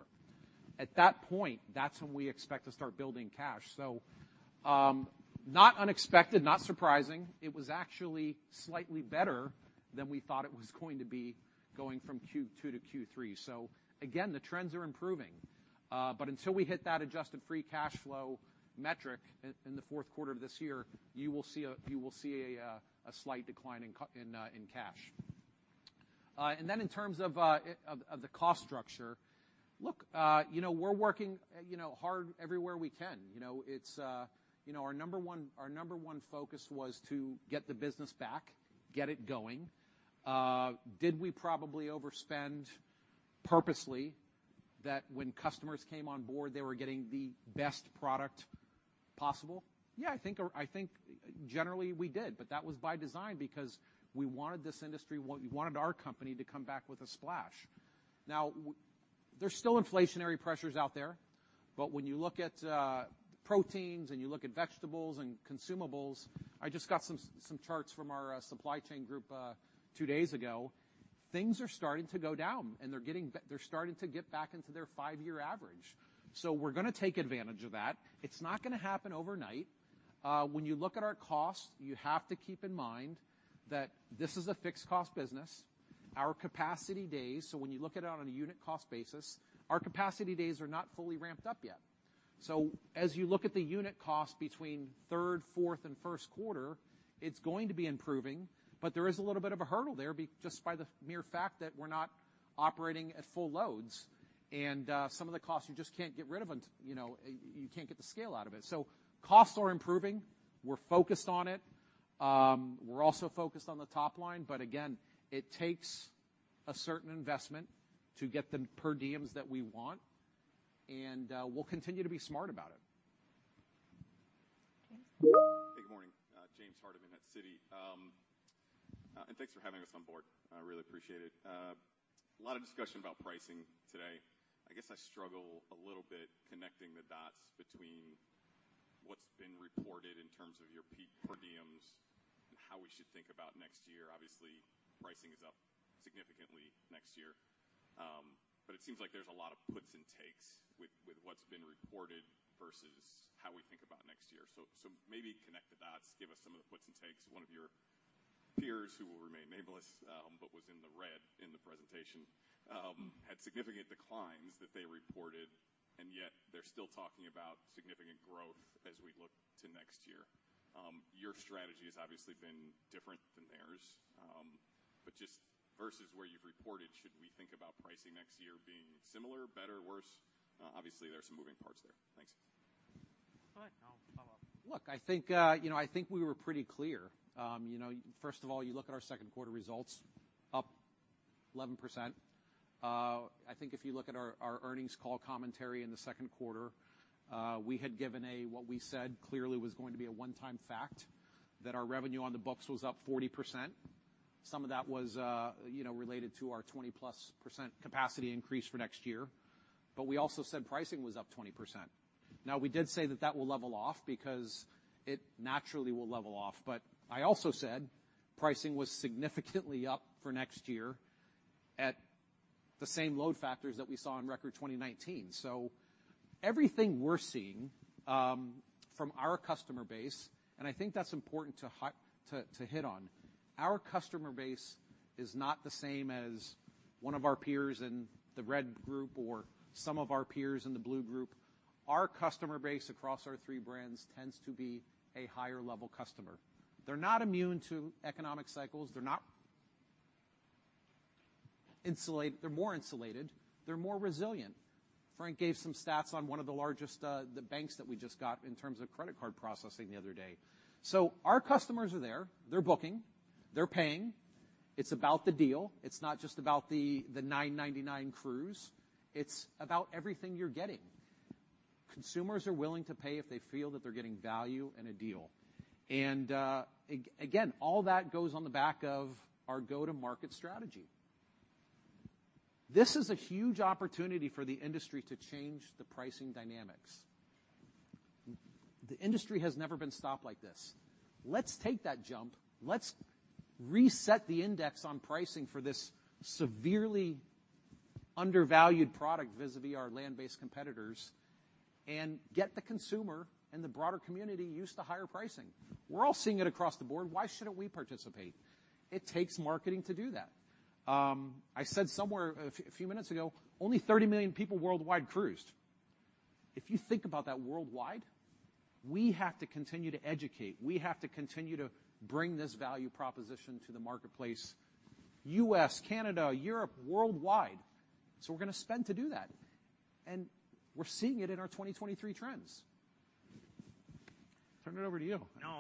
At that point, that's when we expect to start building cash. Not unexpected, not surprising. It was actually slightly better than we thought it was going to be going from Q2 to Q3. Again, the trends are improving. Until we hit that adjusted free cash flow metric in the fourth quarter of this year, you will see a slight decline in cash. In terms of the cost structure, look, you know, we're working, you know, hard everywhere we can. You know, it's, you know, our number one focus was to get the business back, get it going. Did we probably overspend purposely that when customers came on board, they were getting the best product possible? Yeah, I think generally we did, but that was by design because we wanted this industry, we wanted our company to come back with a splash. Now, there's still inflationary pressures out there, but when you look at proteins and you look at vegetables and consumables, I just got some charts from our supply chain group two days ago. Things are starting to go down, and they're starting to get back into their five-year average. We're gonna take advantage of that. It's not gonna happen overnight. When you look at our costs, you have to keep in mind that this is a fixed cost business. Our capacity days, so when you look at it on a unit cost basis, our capacity days are not fully ramped up yet. As you look at the unit cost between third, fourth, and first quarter, it's going to be improving. There is a little bit of a hurdle there just by the mere fact that we're not operating at full loads. Some of the costs you just can't get rid of, you know, you can't get the scale out of it. Costs are improving. We're focused on it. We're also focused on the top line, but again, it takes a certain investment to get the per diems that we want, and we'll continue to be smart about it. James. Good morning. James Hardiman at Citi. Thanks for having us on board. I really appreciate it. A lot of discussion about pricing today. I guess I struggle a little bit connecting the dots between what's been reported in terms of your peak per diems and how we should think about next year. Obviously, pricing is up significantly next year. It seems like there's a lot of puts and takes with what's been reported versus how we think about next year. Maybe connect the dots, give us some of the puts and takes. One of your peers, who will remain nameless, but was in the red in the presentation. Mm-hmm. Had significant declines that they reported, and yet they're still talking about significant growth as we look to next year. Your strategy has obviously been different than theirs. Just versus where you've reported, should we think about pricing next year being similar, better, worse? Obviously there are some moving parts there. Thanks. Go ahead, and I'll follow up. Look, I think, you know, I think we were pretty clear. You know, first of all, you look at our second quarter results, up 11%. I think if you look at our earnings call commentary in the second quarter, we had given a what we said clearly was going to be a one-time fact that our revenue on the books was up 40%. Some of that was, you know, related to our 20+% capacity increase for next year. But we also said pricing was up 20%. Now, we did say that that will level off because it naturally will level off. But I also said pricing was significantly up for next year at the same load factors that we saw in record 2019. Everything we're seeing from our customer base, and I think that's important to hit on. Our customer base is not the same as one of our peers in the red group or some of our peers in the blue group. Our customer base across our three brands tends to be a higher level customer. They're not immune to economic cycles. They're more insulated. They're more resilient. Frank gave some stats on one of the largest banks that we just got in terms of credit card processing the other day. Our customers are there. They're booking. They're paying. It's about the deal. It's not just about the $9.99 cruise. It's about everything you're getting. Consumers are willing to pay if they feel that they're getting value and a deal. Again, all that goes on the back of our go-to-market strategy. This is a huge opportunity for the industry to change the pricing dynamics. The industry has never been stopped like this. Let's take that jump. Let's reset the index on pricing for this severely undervalued product, vis-a-vis our land-based competitors, and get the consumer and the broader community used to higher pricing. We're all seeing it across the board. Why shouldn't we participate? It takes marketing to do that. I said somewhere a few minutes ago, only 30 million people worldwide cruised. If you think about that worldwide, we have to continue to educate. We have to continue to bring this value proposition to the marketplace, U.S., Canada, Europe, worldwide. We're gonna spend to do that. We're seeing it in our 2023 trends. Turn it over to you. No.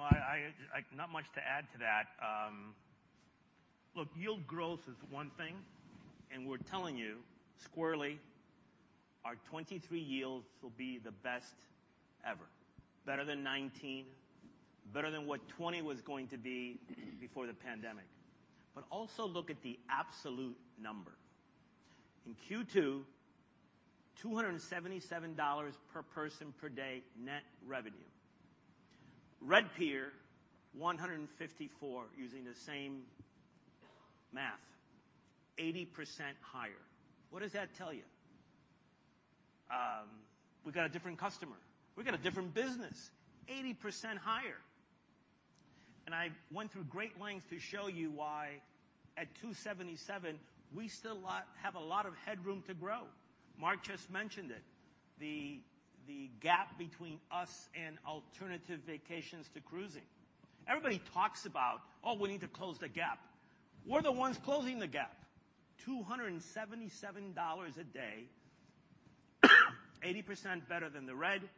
Not much to add to that. Look, yield growth is one thing, and we're telling you squarely our 2023 yields will be the best ever. Better than 2019, better than what 2020 was going to be before the pandemic. Also look at the absolute number. In Q2, $277 per person per day net revenue. 2019, $154 using the same math, 80% higher. What does that tell you? We've got a different customer. We've got a different business, 80% higher. I went through great lengths to show you why at $277, we still have a lot of headroom to grow. Mark just mentioned it, the gap between us and alternative vacations to cruising. Everybody talks about, "Oh, we need to close the gap." We're the ones closing the gap. $277 a day, 80% better than the red,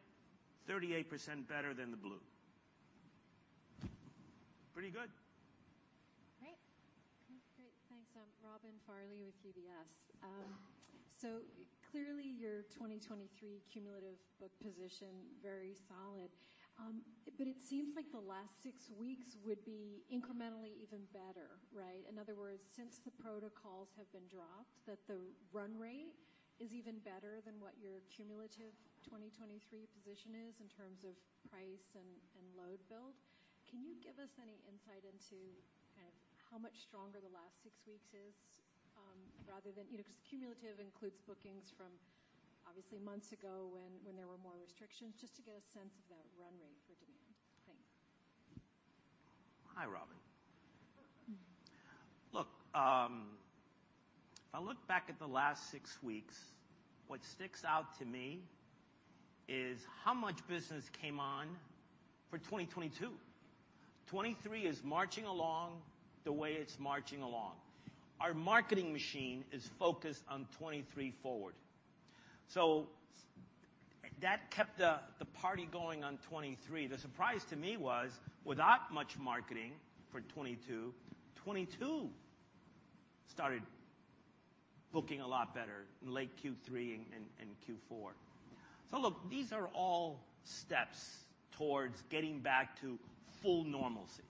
38% better than the blue. Pretty good. Robin Farley with UBS. Clearly your 2023 cumulative book position, very solid. It seems like the last six weeks would be incrementally even better, right? In other words, since the protocols have been dropped, that the run rate is even better than what your cumulative 2023 position is in terms of price and load build. Can you give us any insight into kind of how much stronger the last six weeks is, rather than, you know, 'cause cumulative includes bookings from obviously months ago when there were more restrictions, just to get a sense of that run rate for demand. Thanks. Hi, Robin. Look, if I look back at the last six weeks, what sticks out to me is how much business came on for 2022. 2023 is marching along the way it's marching along. Our marketing machine is focused on 2023 forward. That kept the party going on 2023. The surprise to me was, without much marketing for 2022 started booking a lot better in late Q3 and Q4. Look, these are all steps towards getting back to full normalcy,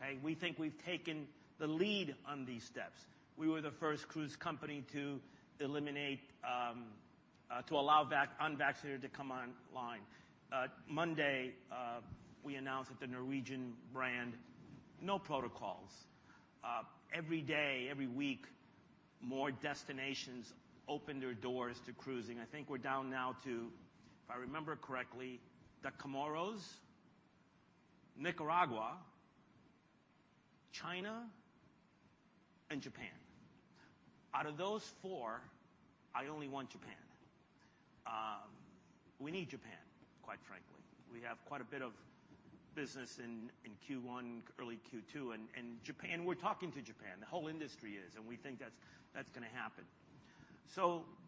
okay? We think we've taken the lead on these steps. We were the first cruise company to eliminate to allow unvaccinated to come online. Monday, we announced that the Norwegian brand, no protocols. Every day, every week, more destinations open their doors to cruising. I think we're down now to, if I remember correctly, the Comoros, Nicaragua, China, and Japan. Out of those four, I only want Japan. We need Japan, quite frankly. We have quite a bit of business in Q1, early Q2. Japan, we're talking to Japan. The whole industry is, and we think that's gonna happen.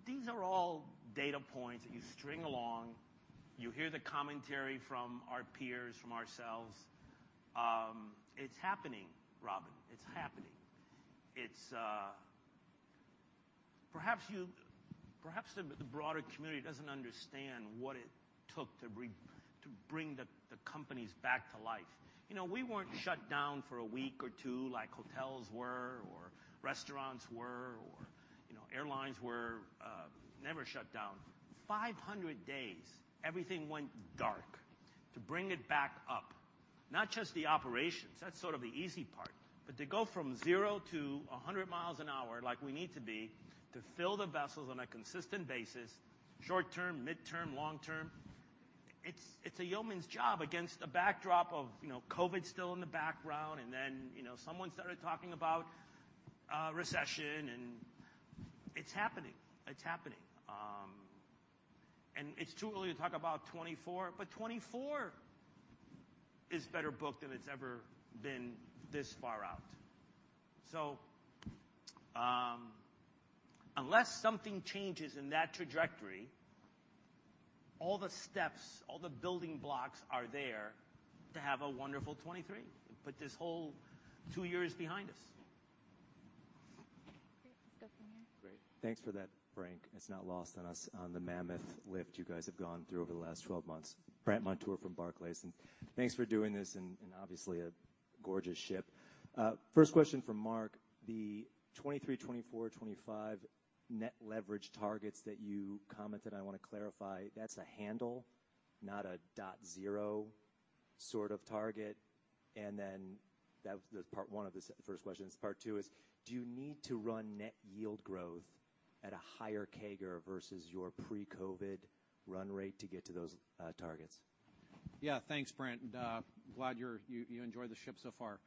These are all data points that you string along. You hear the commentary from our peers, from ourselves. It's happening, Robin. It's happening. Perhaps the broader community doesn't understand what it took to bring the companies back to life. You know, we weren't shut down for a week or two like hotels were or restaurants were or, you know, airlines were, never shut down. 500 days, everything went dark. To bring it back up, not just the operations, that's sort of the easy part, but to go from zero to a hundred miles an hour like we need to be to fill the vessels on a consistent basis, short-term, mid-term, long-term, it's a yeoman's job against the backdrop of, you know, COVID still in the background and then, you know, someone started talking about recession and it's happening. It's happening. It's too early to talk about 2024, but 2024 is better booked than it's ever been this far out. Unless something changes in that trajectory, all the steps, all the building blocks are there to have a wonderful 2023. Put this whole two years behind us. Great. Let's go from here. Great. Thanks for that, Frank. It's not lost on us on the mammoth lift you guys have gone through over the last 12 months. Brandt Montour from Barclays, and thanks for doing this, and obviously a gorgeous ship. First question for Mark. The 2023, 2024, 2025 net leverage targets that you commented, I wanna clarify, that's a handle, not a dot zero sort of target? And then that's part one of the first question. Part two is, do you need to run net yield growth at a higher CAGR versus your pre-COVID run rate to get to those targets? Yeah. Thanks, Brandt. Glad you enjoyed the ship so far.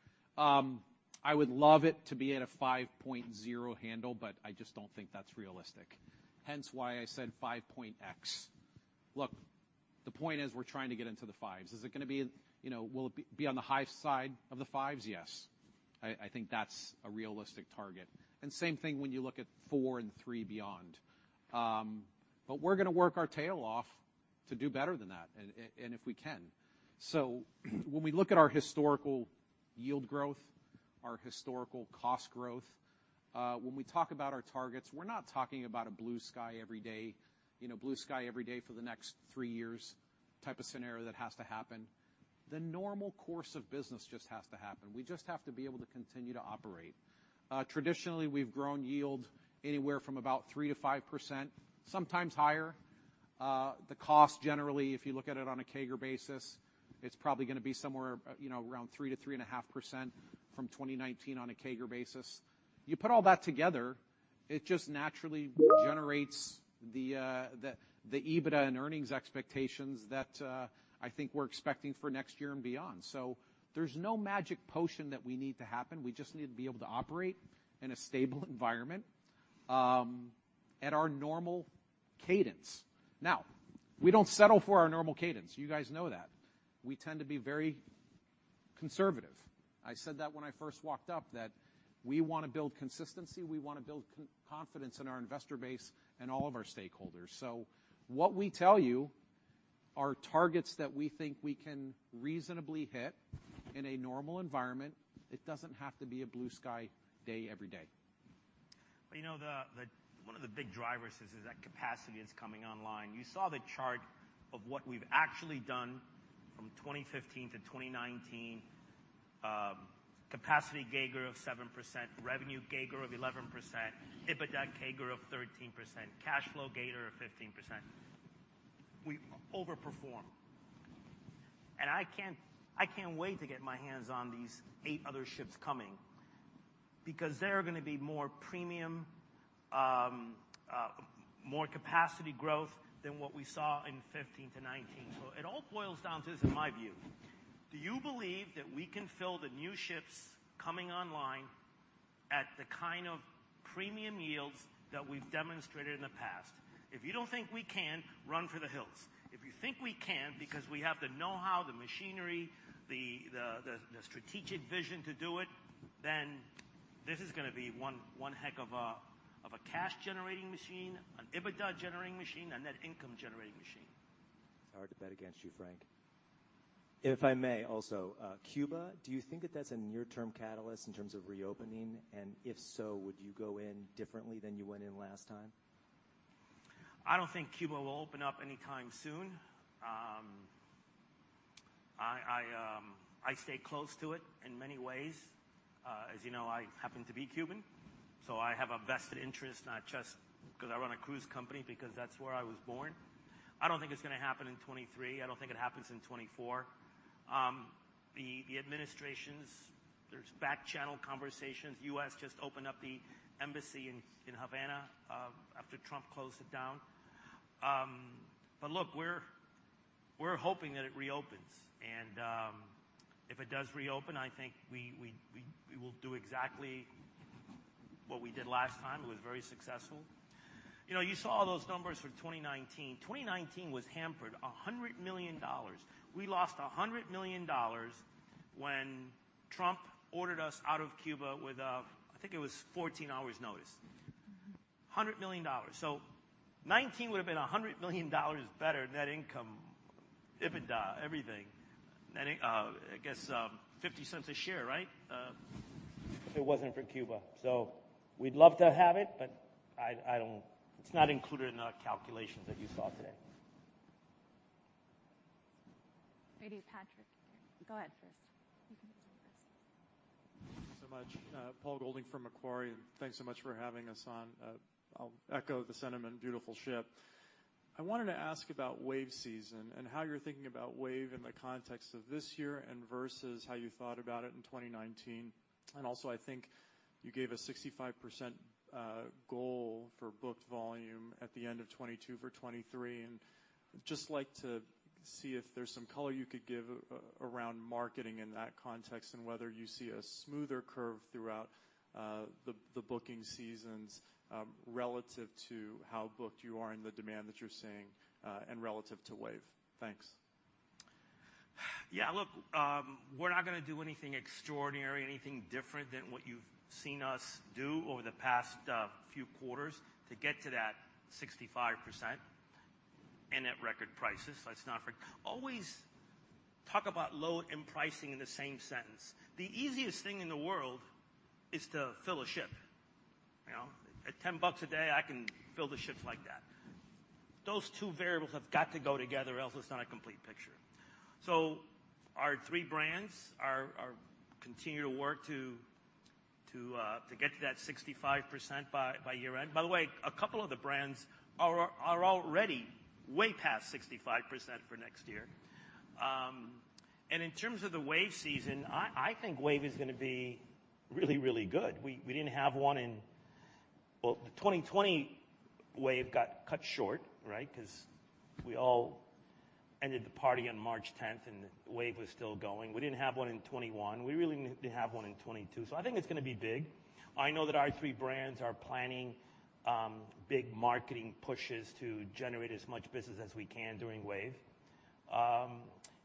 I would love it to be at a 5.0 handle, but I just don't think that's realistic. Hence why I said 5.x. Look, the point is we're trying to get into the 5s. Is it gonna be, will it be on the high side of the 5s? Yes. I think that's a realistic target. And same thing when you look at 4 and 3 beyond. But we're gonna work our tail off to do better than that, and if we can. When we look at our historical yield growth, our historical cost growth, when we talk about our targets, we're not talking about a blue sky every day. You know, blue sky every day for the next three years type of scenario that has to happen. The normal course of business just has to happen. We just have to be able to continue to operate. Traditionally, we've grown yield anywhere from about 3%-5%, sometimes higher. The cost generally, if you look at it on a CAGR basis, it's probably gonna be somewhere, you know, around 3%-3.5% from 2019 on a CAGR basis. You put all that together, it just naturally generates the EBITDA and earnings expectations that I think we're expecting for next year and beyond. There's no magic potion that we need to happen. We just need to be able to operate in a stable environment at our normal cadence. Now, we don't settle for our normal cadence. You guys know that. We tend to be very conservative. I said that when I first walked up, that we wanna build consistency, we wanna build confidence in our investor base and all of our stakeholders. What we tell you. Our targets that we think we can reasonably hit in a normal environment. It doesn't have to be a blue sky day every day. Well, you know one of the big drivers is that capacity that's coming online. You saw the chart of what we've actually done from 2015 to 2019, capacity CAGR of 7%, revenue CAGR of 11%, EBITDA CAGR of 13%, cash flow CAGR of 15%. We overperformed. I can't wait to get my hands on these 8 other ships coming because they are gonna be more premium, more capacity growth than what we saw in 2015 to 2019. It all boils down to this in my view. Do you believe that we can fill the new ships coming online at the kind of premium yields that we've demonstrated in the past? If you don't think we can, run for the hills. If you think we can because we have the know-how, the machinery, the strategic vision to do it, then this is gonna be one heck of a cash-generating machine, an EBITDA-generating machine, a net income-generating machine. It's hard to bet against you, Frank. If I may also, Cuba, do you think that that's a near-term catalyst in terms of reopening? If so, would you go in differently than you went in last time? I don't think Cuba will open up anytime soon. I stay close to it in many ways. As you know, I happen to be Cuban, so I have a vested interest, not just because I run a cruise company, because that's where I was born. I don't think it's gonna happen in 2023. I don't think it happens in 2024. The administrations, there's back-channel conversations. U.S. just opened up the embassy in Havana after Trump closed it down. Look, we're hoping that it reopens. If it does reopen, I think we will do exactly what we did last time. It was very successful. You know, you saw those numbers for 2019. 2019 was hampered $100 million. We lost $100 million when Trump ordered us out of Cuba with, I think, 14 hours' notice. $100 million. 2019 would have been $100 million better net income, EBITDA, everything. I guess 50 cents a share, right? If it wasn't for Cuba. We'd love to have it, but I don't. It's not included in our calculations that you saw today. Maybe Patrick. Go ahead first. You can go first. Thanks so much. Paul Golding from Macquarie, and thanks so much for having us on. I'll echo the sentiment, beautiful ship. I wanted to ask about Wave season and how you're thinking about Wave in the context of this year and versus how you thought about it in 2019. Also, I think you gave a 65% goal for booked volume at the end of 2022 for 2023. Just like to see if there's some color you could give around marketing in that context, and whether you see a smoother curve throughout the booking seasons, relative to how booked you are and the demand that you're seeing, and relative to Wave. Thanks. Yeah. Look, we're not gonna do anything extraordinary, anything different than what you've seen us do over the past, few quarters to get to that 65% and at record prices. Let's not always talk about load and pricing in the same sentence. The easiest thing in the world is to fill a ship, you know? At $10 a day, I can fill the ships like that. Those two variables have got to go together, else it's not a complete picture. Our three brands are continuing to work to get to that 65% by year-end. By the way, a couple of the brands are already way past 65% for next year. In terms of the Wave season, I think Wave is gonna be really good. We didn't have one in Well, the 2020 Wave got cut short, right? 'Cause we all ended the party on March 10th, and the Wave was still going. We didn't have one in 2021. We really didn't have one in 2022. I think it's gonna be big. I know that our three brands are planning big marketing pushes to generate as much business as we can during Wave.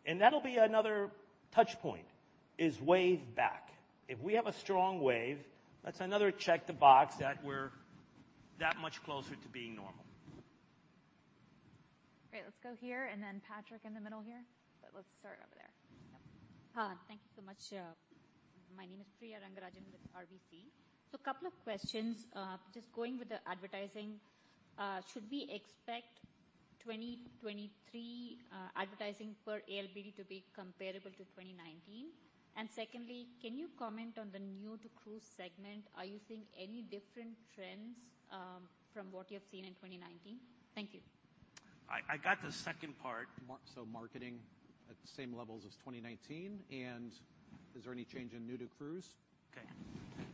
That'll be another touch point is Wave back. If we have a strong Wave, that's another check the box that we're that much closer to being normal. Great. Let's go here, and then Patrick in the middle here. Let's start over there. Yep. Hi. Thank you so much. My name is Priya Rangarajan with RBC. A couple of questions. Just going with the advertising, should we expect 2023 advertising per ALBD to be comparable to 2019? Secondly, can you comment on the new-to-cruise segment? Are you seeing any different trends from what you've seen in 2019? Thank you. I got the second part. Marketing at the same levels as 2019, and is there any change in new to cruise? Okay.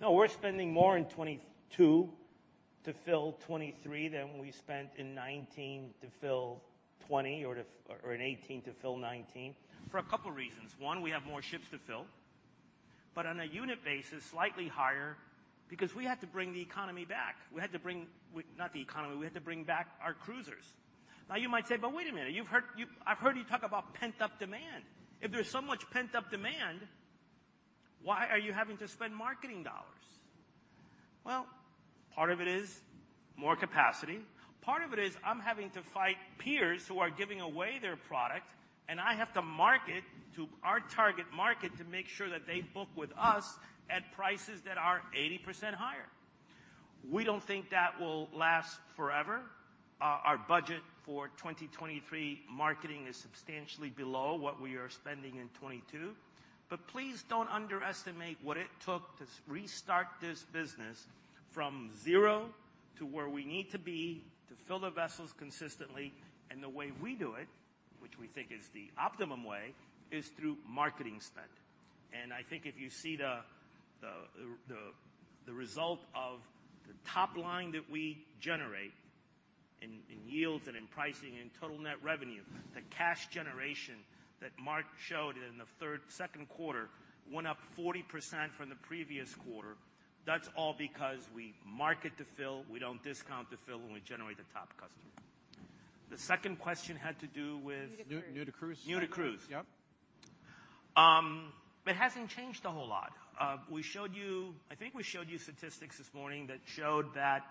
No, we're spending more in 2022 to fill 2023 than we spent in 2019 to fill 2020 or in 2018 to fill 2019 for a couple reasons. One, we have more ships to fill, but on a unit basis, slightly higher because we had to bring the economy back. Not the economy, we had to bring back our cruisers. Now, you might say, "But wait a minute. You've heard me talk about pent-up demand. If there's so much pent-up demand, why are you having to spend marketing dollars?" Well, part of it is more capacity. Part of it is I'm having to fight peers who are giving away their product, and I have to market to our target market to make sure that they book with us at prices that are 80% higher. We don't think that will last forever. Our budget for 2023 marketing is substantially below what we are spending in 2022. Please don't underestimate what it took to restart this business from zero to where we need to be to fill the vessels consistently. The way we do it, which we think is the optimum way, is through marketing spend. I think if you see the result of the top line that we generate in yields and in pricing and total net revenue, the cash generation that Mark showed in the second quarter went up 40% from the previous quarter. That's all because we market to fill, we don't discount to fill, and we generate the top customer. The second question had to do with. New to cruise. New to cruise. Yep. It hasn't changed a whole lot. We showed you statistics this morning that showed that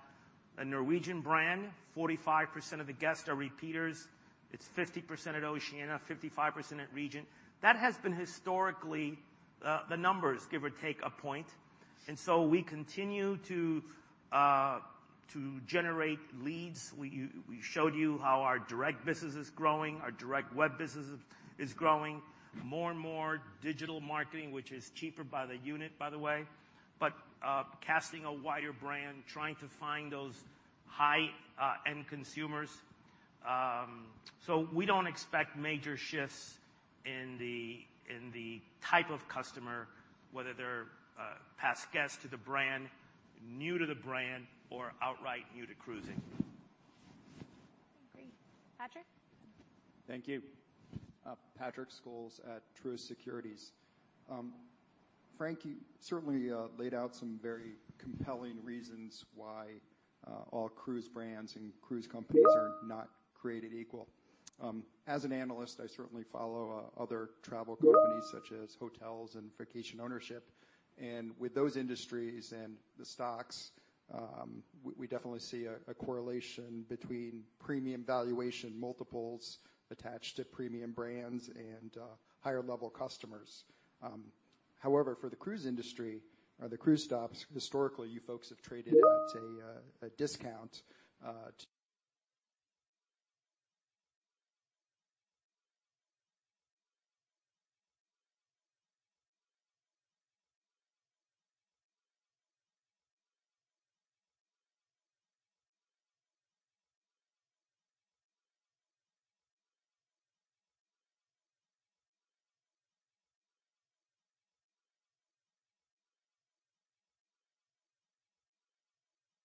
a Norwegian brand, 45% of the guests are repeaters. It's 50% at Oceania, 55% at Regent. That has been historically the numbers, give or take a point. We continue to generate leads. We showed you how our direct business is growing, our direct web business is growing. More and more digital marketing, which is cheaper by the unit, by the way. Casting a wider net, trying to find those high-end consumers. We don't expect major shifts in the type of customer, whether they're past guests to the brand, new to the brand, or outright new to cruising. Great. Patrick? Thank you. Patrick Scholes at Truist Securities. Frank, you certainly laid out some very compelling reasons why all cruise brands and cruise companies are not created equal. As an analyst, I certainly follow other travel companies such as hotels and vacation ownership. With those industries and the stocks, we definitely see a correlation between premium valuation multiples attached to premium brands and higher level customers. However, for the cruise industry or the cruise stocks, historically, you folks have traded at a discount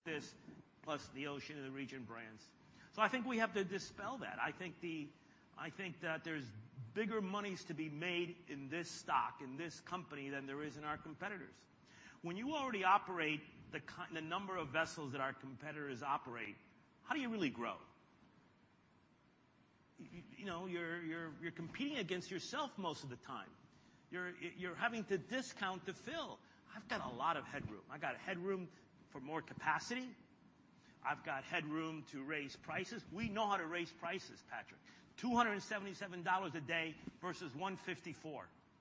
to- This plus the Oceania and the Regent brands. I think we have to dispel that. I think that there's bigger monies to be made in this stock, in this company than there is in our competitors. When you already operate the number of vessels that our competitors operate, how do you really grow? You know, you're competing against yourself most of the time. You're having to discount to fill. I've got a lot of headroom. I've got headroom for more capacity. I've got headroom to raise prices. We know how to raise prices, Patrick. $277 a day versus $154.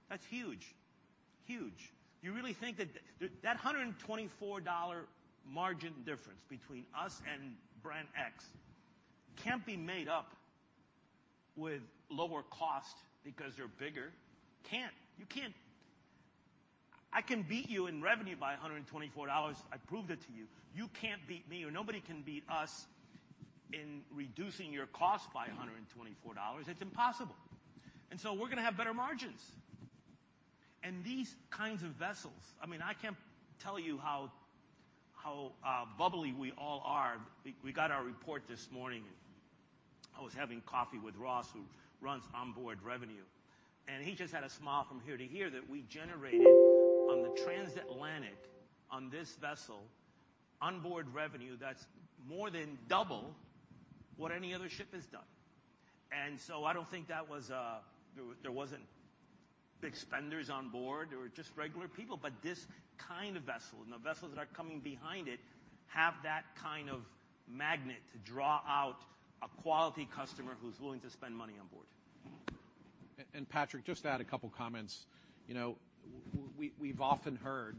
That's huge. Huge. You really think that $124 margin difference between us and brand X can't be made up with lower cost because they're bigger. Can't. You can't. I can beat you in revenue by $124. I proved it to you. You can't beat me or nobody can beat us in reducing your cost by $124. It's impossible. We're gonna have better margins. These kinds of vessels, I mean, I can't tell you how bubbly we all are. We got our report this morning. I was having coffee with Ross, who runs onboard revenue, and he just had a smile from here to here that we generated on the transatlantic on this vessel, onboard revenue that's more than double what any other ship has done. I don't think that was. There wasn't big spenders on board. They were just regular people. This kind of vessel and the vessels that are coming behind it have that kind of magnet to draw out a quality customer who's willing to spend money on board. Patrick, just to add a couple comments. You know, we've often heard,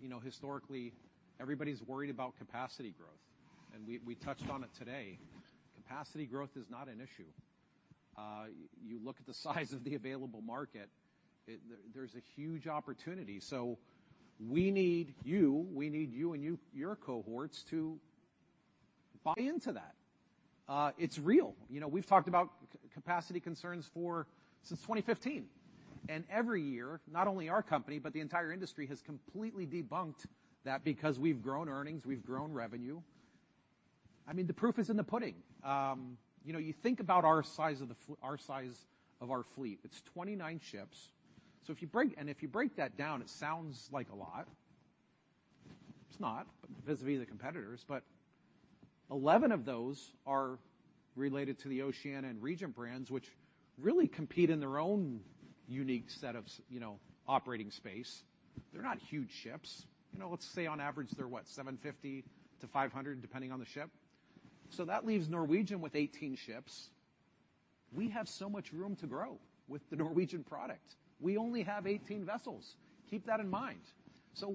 you know, historically, everybody's worried about capacity growth, and we touched on it today. Capacity growth is not an issue. You look at the size of the available market, there's a huge opportunity. So we need you and your cohorts to buy into that. It's real. You know, we've talked about capacity concerns since 2015. Every year, not only our company, but the entire industry, has completely debunked that because we've grown earnings, we've grown revenue. I mean, the proof is in the pudding. You know, you think about our size of our fleet. It's 29 ships. So if you break... If you break that down, it sounds like a lot. It's not vis-a-vis the competitors, but 11 of those are related to the Oceania and Regent brands, which really compete in their own unique set of, you know, operating space. They're not huge ships. You know, let's say on average they're what? 750-500, depending on the ship. That leaves Norwegian with 18 ships. We have so much room to grow with the Norwegian product. We only have 18 vessels. Keep that in mind.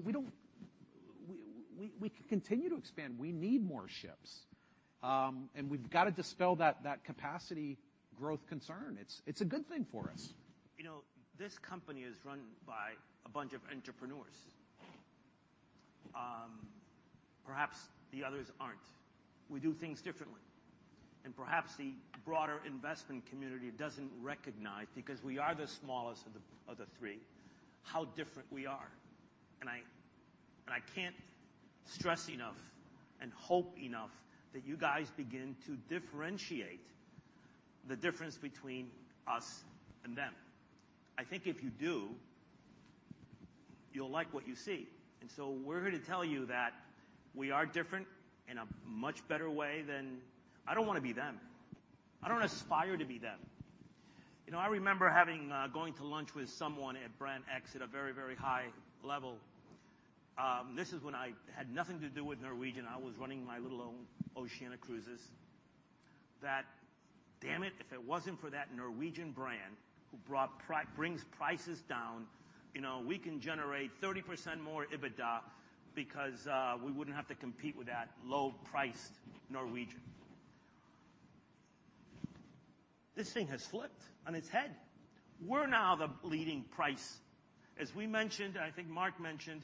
We can continue to expand. We need more ships. We've got to dispel that capacity growth concern. It's a good thing for us. You know, this company is run by a bunch of entrepreneurs. Perhaps the others aren't. We do things differently, and perhaps the broader investment community doesn't recognize, because we are the smallest of the three, how different we are. I can't stress enough and hope enough that you guys begin to differentiate the difference between us and them. I think if you do, you'll like what you see. We're here to tell you that we are different in a much better way than. I don't want to be them. I don't aspire to be them. You know, I remember going to lunch with someone at brand X at a very, very high level. This is when I had nothing to do with Norwegian. I was running my little own Oceania Cruises. Damn it, if it wasn't for that Norwegian brand who brings prices down, you know, we can generate 30% more EBITDA because we wouldn't have to compete with that low-priced Norwegian." This thing has flipped on its head. We're now the leading price. As we mentioned, and I think Mark mentioned,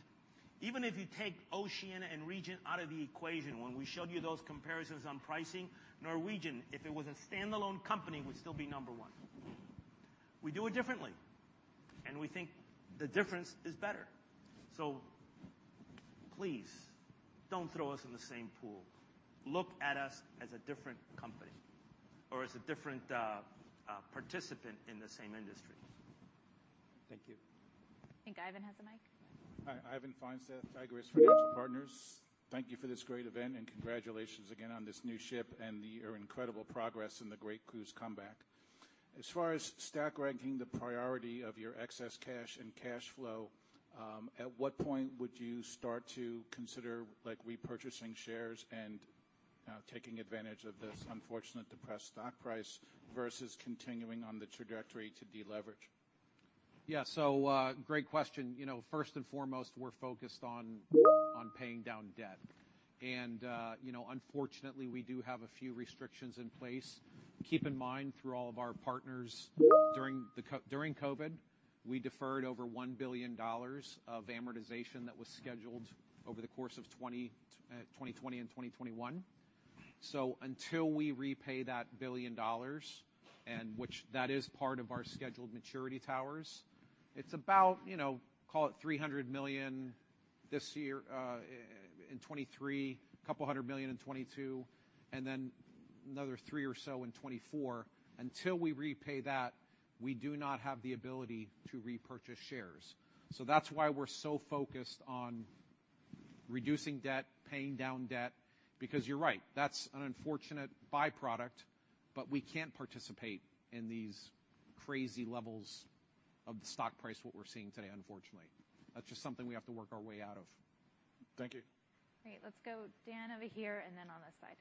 even if you take Oceania and Regent out of the equation, when we showed you those comparisons on pricing, Norwegian, if it was a standalone company, would still be number one. We do it differently, and we think the difference is better. Please don't throw us in the same pool. Look at us as a different company or as a different participant in the same industry. Thank you. I think Ivan has the mic. Hi, Ivan Feinseth, Tigress Financial Partners. Thank you for this great event and congratulations again on this new ship and your incredible progress and the great cruise comeback. As far as stack ranking the priority of your excess cash and cash flow, at what point would you start to consider, like, repurchasing shares and, taking advantage of this unfortunate depressed stock price versus continuing on the trajectory to deleverage? Yeah. Great question. You know, first and foremost, we're focused on paying down debt. You know, unfortunately, we do have a few restrictions in place. Keep in mind, through all of our partners, during COVID, we deferred over $1 billion of amortization that was scheduled over the course of 2020 and 2021. Until we repay that billion dollars, which is part of our scheduled maturity towers, it's about, you know, call it $300 million this year in 2023, $200 million in 2022, and then another $300 million or so in 2024. Until we repay that, we do not have the ability to repurchase shares. That's why we're so focused on reducing debt, paying down debt. Because you're right, that's an unfortunate byproduct, but we can't participate in these crazy levels of the stock price, what we're seeing today, unfortunately. That's just something we have to work our way out of. Thank you. Great. Let's go Dan over here, and then on this side.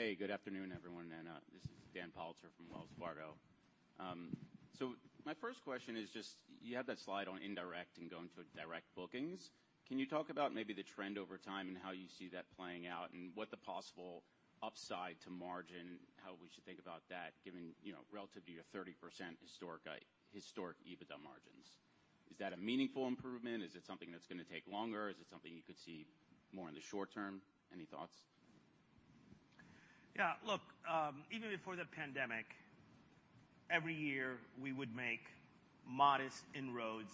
Hey, good afternoon, everyone. This is Dan Politzer from Wells Fargo. My first question is just, you have that slide on indirect and going to direct bookings. Can you talk about maybe the trend over time and how you see that playing out and what the possible upside to margin, how we should think about that, given, you know, relatively a 30% historic EBITDA margins? Is that a meaningful improvement? Is it something that's gonna take longer? Is it something you could see more in the short term? Any thoughts? Yeah. Look, even before the pandemic, every year we would make modest inroads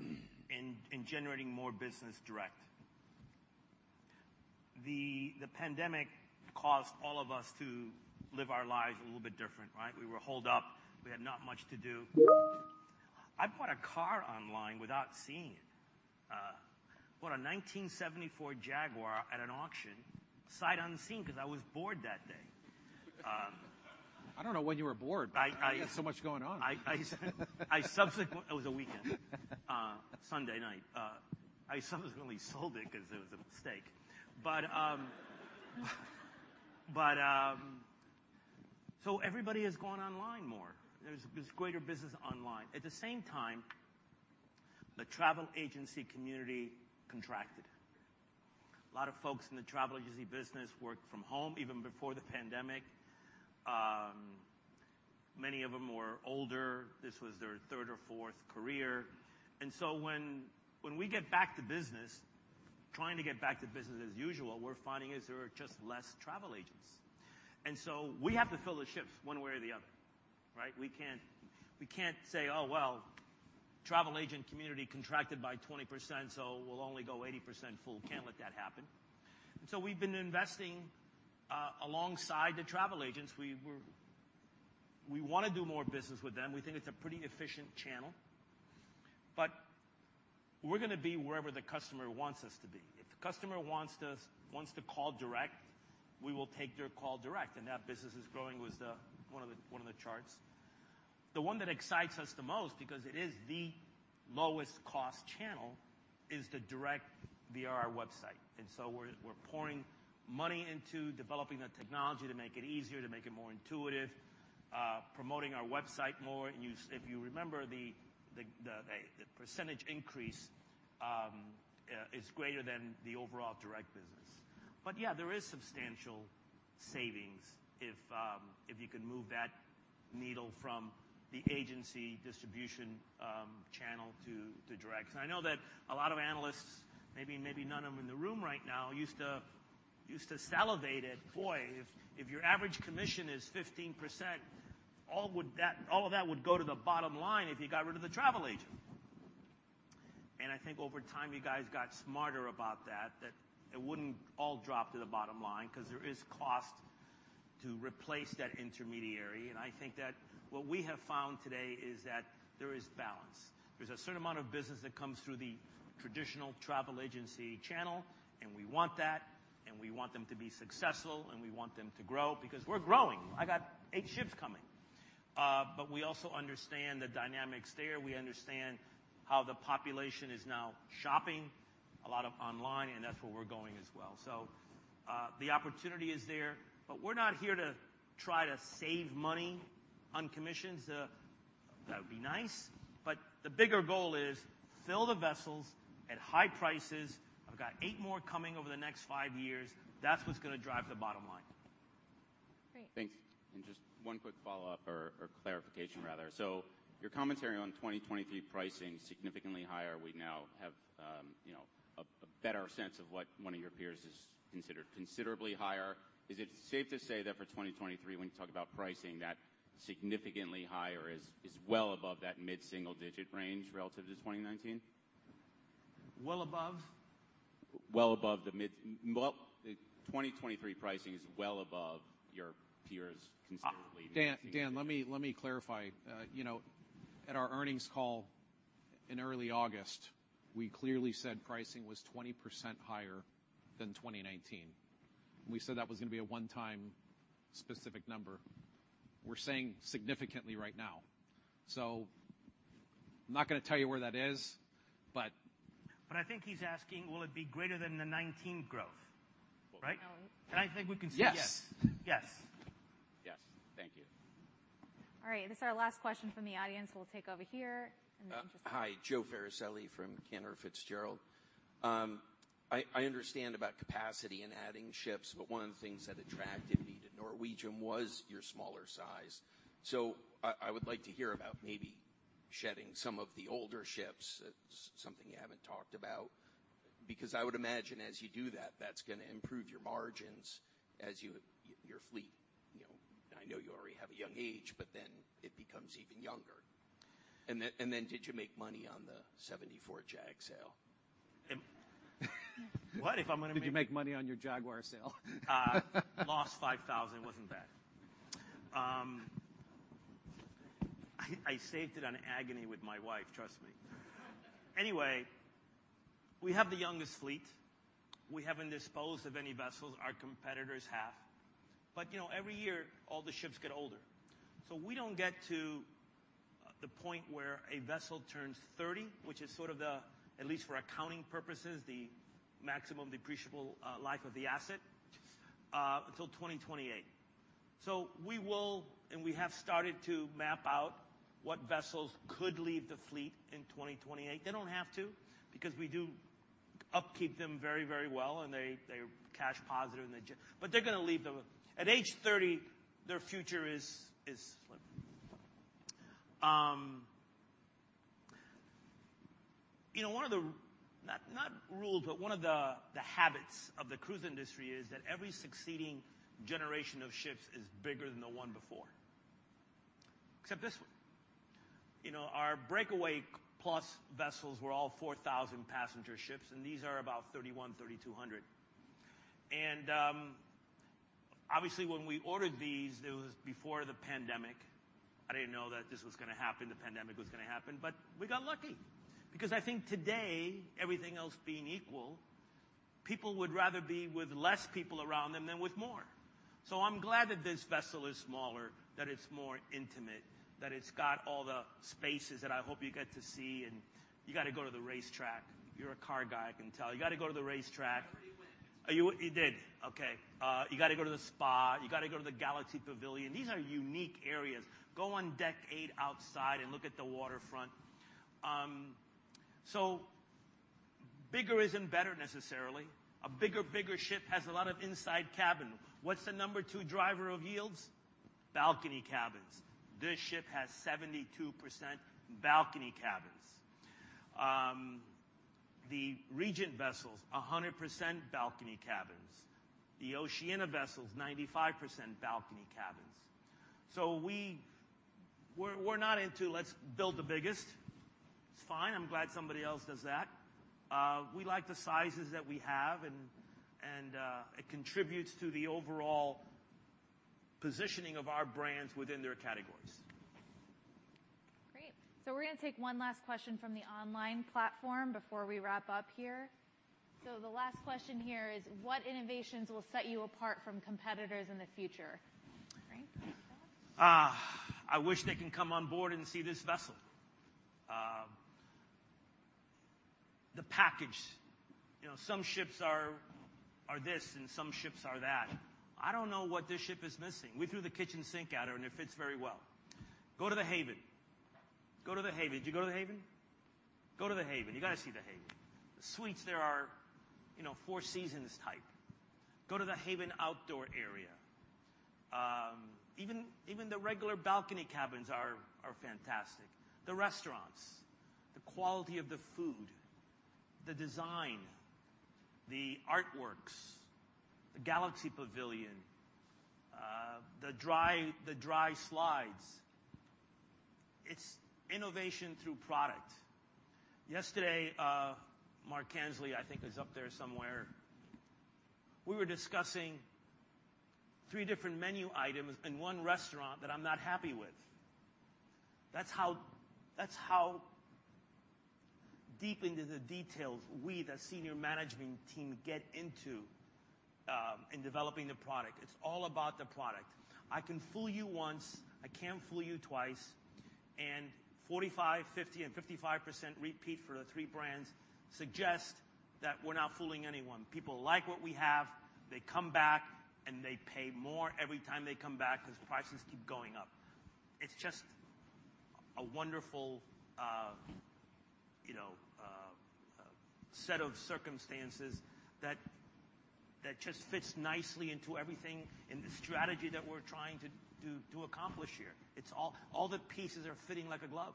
in generating more business direct. The pandemic caused all of us to live our lives a little bit different, right? We were holed up. We had not much to do. I bought a car online without seeing it. Bought a 1974 Jaguar at an auction, sight unseen, because I was bored that day. I don't know when you were bored. I- You have so much going on. It was a weekend, Sunday night. I subsequently sold it because it was a mistake. Everybody has gone online more. There's greater business online. At the same time, the travel agency community contracted. A lot of folks in the travel agency business worked from home even before the pandemic. Many of them were older. This was their third or fourth career. When we get back to business, trying to get back to business as usual, we're finding there are just less travel agents, and so we have to fill the ships one way or the other, right? We can't say, "Oh, well, travel agent community contracted by 20%, so we'll only go 80% full." Can't let that happen. We've been investing alongside the travel agents. We wanna do more business with them. We think it's a pretty efficient channel, but we're gonna be wherever the customer wants us to be. If the customer wants to call direct, we will take their call direct, and that business is growing. What was one of the charts. The one that excites us the most because it is the lowest cost channel is the direct via our website. We're pouring money into developing the technology to make it easier, to make it more intuitive, promoting our website more. If you remember the percentage increase is greater than the overall direct business. Yeah, there is substantial savings if you can move that needle from the agency distribution channel to direct. I know that a lot of analysts, maybe none of them in the room right now, used to salivate at, boy, if your average commission is 15%, all of that would go to the bottom line if you got rid of the travel agent. I think over time you guys got smarter about that it wouldn't all drop to the bottom line, because there is cost to replace that intermediary. I think that what we have found today is that there is balance. There's a certain amount of business that comes through the traditional travel agency channel, and we want that, and we want them to be successful, and we want them to grow because we're growing. I got eight ships coming. We also understand the dynamics there. We understand how the population is now shopping, a lot of online, and that's where we're going as well. The opportunity is there, but we're not here to try to save money on commissions. That would be nice, but the bigger goal is fill the vessels at high prices. I've got 8 more coming over the next 5 years. That's what's gonna drive the bottom line. Great. Thanks. Just one quick follow-up or clarification rather. Your commentary on 2023 pricing significantly higher, we now have you know a better sense of what one of your peers has considered considerably higher. Is it safe to say that for 2023, when you talk about pricing that significantly higher is well above that mid-single-digit range relative to 2019? Well above. The 2023 pricing is well above your peers considerably. Ah. Dan, let me clarify. You know, at our earnings call in early August, we clearly said pricing was 20% higher than 2019. We said that was gonna be a one-time specific number. We're saying significantly right now. I'm not gonna tell you where that is, but. I think he's asking will it be greater than the 19% growth? Right? Oh. I think we can say yes. Yes. Yes. Yes. Thank you. All right. This is our last question from the audience. We'll take over here. Hi, Joe Farricielli from Cantor Fitzgerald. I understand about capacity and adding ships, but one of the things that attracted me to Norwegian was your smaller size. I would like to hear about maybe shedding some of the older ships. It's something you haven't talked about. I would imagine as you do that's gonna improve your margins as your fleet, you know. I know you already have a young age, but then it becomes even younger. Did you make money on the 74 Jag sale? What? If I'm gonna make- Did you make money on your Jaguar sale? Lost $5,000. Wasn't bad. I saved it on agony with my wife, trust me. Anyway, we have the youngest fleet. We haven't disposed of any vessels our competitors have. You know, every year all the ships get older. We don't get to the point where a vessel turns 30, which is sort of, at least for accounting purposes, the maximum depreciable life of the asset until 2028. We will, and we have started to map out what vessels could leave the fleet in 2028. They don't have to, because we keep them up very, very well, and they're cash positive. We're gonna leave them. At age 30, their future is slim. You know, one of the habits of the cruise industry is that every succeeding generation of ships is bigger than the one before. Except this one. You know, our Breakaway Plus vessels were all 4,000 passenger ships, and these are about 3,100-3,200. Obviously when we ordered these, it was before the pandemic. I didn't know that this was gonna happen, the pandemic was gonna happen, but we got lucky. Because I think today, everything else being equal, people would rather be with less people around them than with more. I'm glad that this vessel is smaller, that it's more intimate, that it's got all the spaces that I hope you get to see, and you gotta go to the racetrack. You're a car guy, I can tell. You gotta go to the racetrack. I already went. You did? Okay. You gotta go to the spa. You gotta go to the Galaxy Pavilion. These are unique areas. Go on deck 8 outside and look at the waterfront. So bigger isn't better necessarily. A bigger ship has a lot of inside cabin. What's the number 2 driver of yields? Balcony cabins. This ship has 72% balcony cabins. The Regent vessels, 100% balcony cabins. The Oceania vessels, 95% balcony cabins. So we're not into "Let's build the biggest." It's fine. I'm glad somebody else does that. We like the sizes that we have, and it contributes to the overall positioning of our brands within their categories. Great. We're gonna take one last question from the online platform before we wrap up here. The last question here is: What innovations will set you apart from competitors in the future? Great. I wish they can come on board and see this vessel. The package. You know, some ships are this, and some ships are that. I don't know what this ship is missing. We threw the kitchen sink at her, and it fits very well. Go to The Haven. Go to The Haven. Did you go to The Haven? Go to The Haven. You gotta see The Haven. The suites there are, you know, Four Seasons type. Go to The Haven outdoor area. Even the regular balcony cabins are fantastic. The restaurants, the quality of the food, the design, the artworks, the Galaxy Pavilion, the dry slides. It's innovation through product. Yesterday, Mark Kempa, I think, is up there somewhere, we were discussing three different menu items in one restaurant that I'm not happy with. That's how deep into the details we, the senior management team, get into in developing the product. It's all about the product. I can fool you once. I can't fool you twice. 45%, 50%, and 55% repeat for the three brands suggest that we're not fooling anyone. People like what we have, they come back, and they pay more every time they come back 'cause prices keep going up. It's just a wonderful, you know, set of circumstances that just fits nicely into everything in the strategy that we're trying to accomplish here. It's all the pieces are fitting like a glove.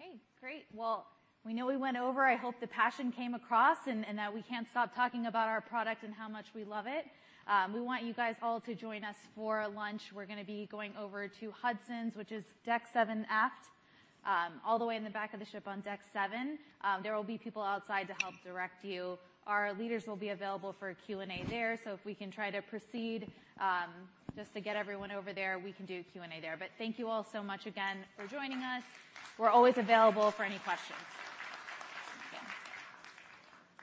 Okay, great. Well, we know we went over. I hope the passion came across, and that we can't stop talking about our product and how much we love it. We want you guys all to join us for lunch. We're gonna be going over to Hudson's, which is deck seven aft, all the way in the back of the ship on deck seven. There will be people outside to help direct you. Our leaders will be available for a Q&A there, so if we can try to proceed, just to get everyone over there, we can do a Q&A there. But thank you all so much again for joining us. We're always available for any questions. Thank you.